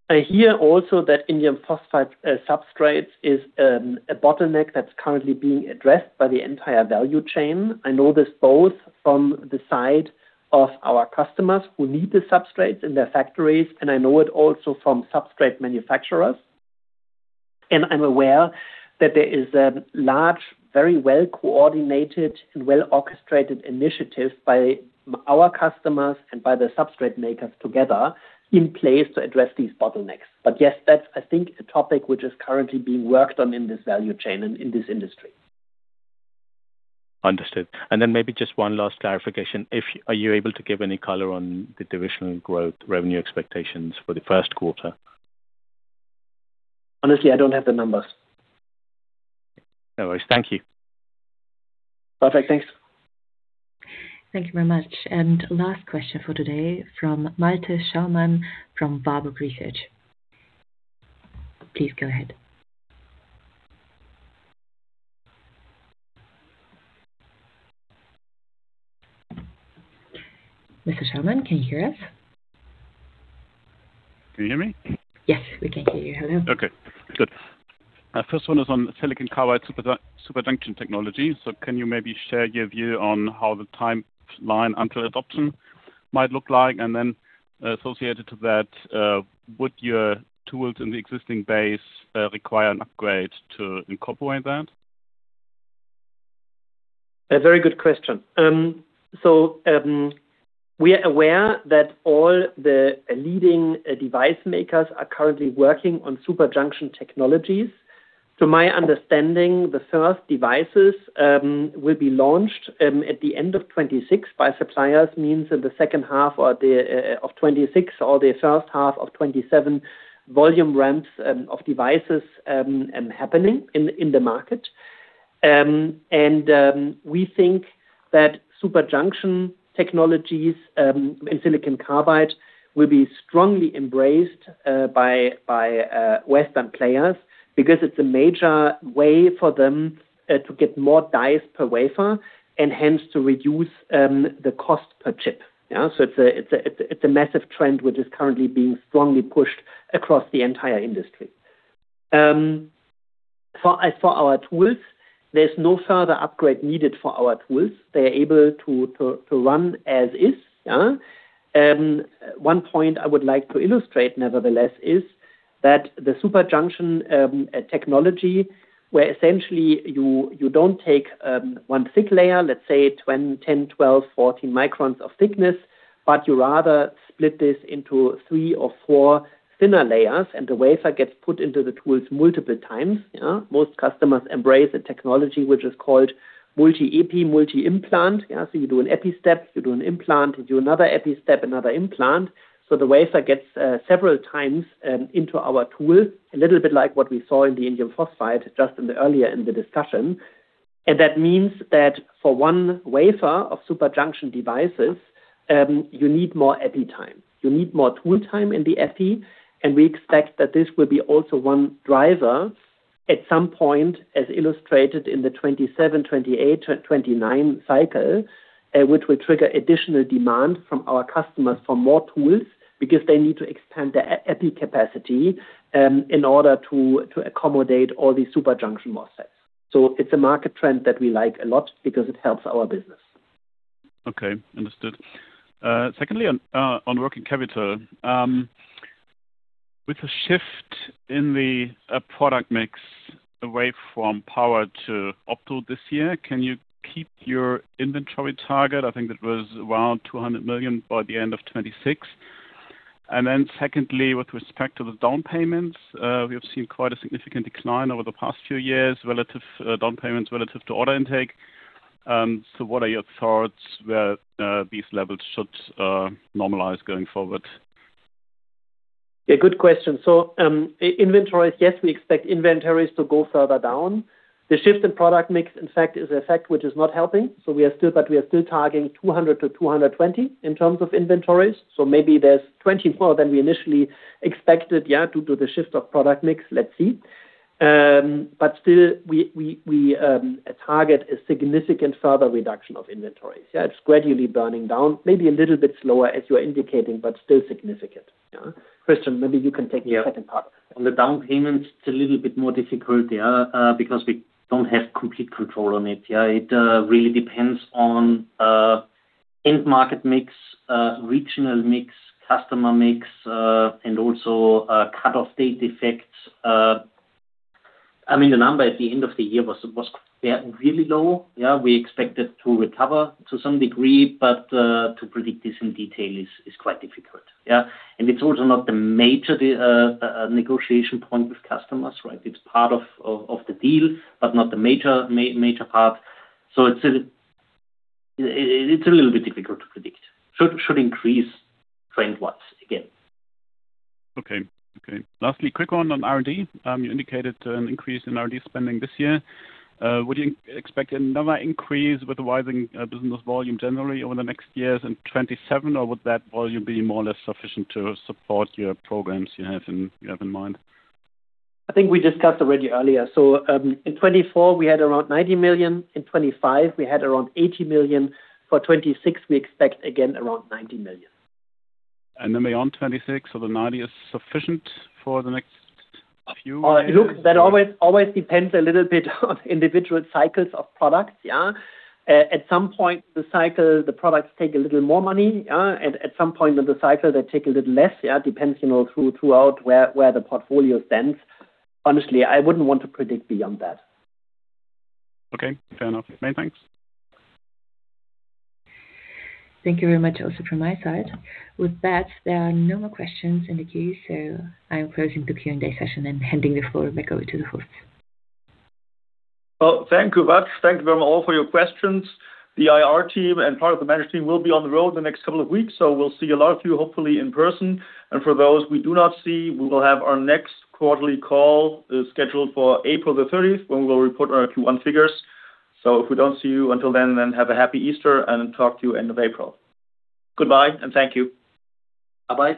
S3: I hear also that indium phosphide, substrates is a bottleneck that's currently being addressed by the entire value chain. I know this both from the side of our customers who need the substrates in their factories, and I know it also from substrate manufacturers. I'm aware that there is a large, very well-coordinated and well-orchestrated initiative by our customers and by the substrate makers together in place to address these bottlenecks. Yes, that's, I think, a topic which is currently being worked on in this value chain and in this industry.
S16: Understood. Maybe just one last clarification. Are you able to give any color on the divisional growth revenue expectations for the first quarter?
S3: Honestly, I don't have the numbers.
S16: No worries. Thank you.
S3: Perfect. Thanks.
S1: Thank you very much. Last question for today from Malte Schaumann from Warburg Research. Please go ahead. Mr. Schaumann, can you hear us?
S17: Can you hear me?
S1: Yes, we can hear you. Hello.
S17: Okay, good. First one is on silicon carbide super junction technology. Can you maybe share your view on how the timeline until adoption might look like? Then associated to that, would your tools in the existing base require an upgrade to incorporate that?
S3: A very good question. We are aware that all the leading device makers are currently working on super junction technologies. To my understanding, the first devices will be launched at the end of 2026 by suppliers, means in the second half of 2026 or the first half of 2027, volume ramps of devices happening in the market. We think that super junction technologies in silicon carbide will be strongly embraced by Western players because it's a major way for them to get more dice per wafer, and hence to reduce the cost per chip. It's a massive trend which is currently being strongly pushed across the entire industry. As for our tools, there's no further upgrade needed for our tools. They are able to run as is. One point I would like to illustrate, nevertheless, is that the super junction technology, where essentially you don't take one thick layer, let's say 10, 12, 14 microns of thickness, but you rather split this into three or four thinner layers, and the wafer gets put into the tools multiple times. Most customers embrace a technology which is called multi-epi, multi-implant. You do an epi step, you do an implant, you do another epi step, another implant. The wafer gets several times into our tool, a little bit like what we saw in the indium phosphide, just in the earlier in the discussion. That means that for one wafer of super junction devices, you need more epi time. You need more tool time in the epi, and we expect that this will be also one driver at some point, as illustrated in the 2027, 2028, 2029 cycle, which will trigger additional demand from our customers for more tools, because they need to expand their epi capacity in order to accommodate all these super junction offsets. It's a market trend that we like a lot because it helps our business.
S17: Okay, understood. Secondly, on working capital, with a shift in the product mix away from power to optical this year, can you keep your inventory target? I think it was around 200 million by the end of 2026. Secondly, with respect to the down payments, we have seen quite a significant decline over the past few years, relative down payments relative to order intake. What are your thoughts where these levels should normalize going forward?
S3: Yeah, good question. Inventories, yes, we expect inventories to go further down. The shift in product mix, in fact, is a fact which is not helping, we are still, but we are still targeting 200-220 in terms of inventories. Maybe there's 20 more than we initially expected, yeah, due to the shift of product mix. Let's see. Still, we target a significant further reduction of inventories. Yeah, it's gradually burning down, maybe a little bit slower as you are indicating, but still significant. Yeah. Christian, maybe you can take the second part.
S4: On the down payments, it's a little bit more difficult, yeah, because we don't have complete control on it. It really depends on end market mix, regional mix, customer mix, and also cut-off date effects. I mean, the number at the end of the year was, yeah, really low. We expect it to recover to some degree, but to predict this in detail is quite difficult, yeah. It's also not the major negotiation point with customers, right? It's part of the deal, but not the major part. It's a little bit difficult to predict. Should increase trend once again.
S17: Okay. Okay. Lastly, quick one on R&D. You indicated an increase in R&D spending this year. Would you expect another increase with the rising business volume generally over the next years in 2027, or would that volume be more or less sufficient to support your programs you have in mind?
S3: I think we discussed already earlier. In 2024, we had around 90 million. In 2025, we had around 80 million. For 2026, we expect again, around 90 million.
S17: Beyond 26, so the 90 is sufficient for the next few years?
S3: Look, that always depends a little bit on individual cycles of products. At some point, the products take a little more money, and at some point in the cycle, they take a little less. It depends, you know, throughout where the portfolio stands. Honestly, I wouldn't want to predict beyond that.
S17: Okay, fair enough. Many thanks.
S1: Thank you very much also from my side. With that, there are no more questions in the queue. I'm closing the Q&A session and handing the floor back over to the host.
S2: Well, thank you much. Thank you very much all for your questions. The IR team and part of the management team will be on the road in the next couple of weeks, so we'll see a lot of you, hopefully, in person. For those we do not see, we will have our next quarterly call scheduled for April the thirtieth, when we will report our Q1 figures. If we don't see you until then have a happy Easter and talk to you end of April. Goodbye, and thank you.
S3: Bye-bye.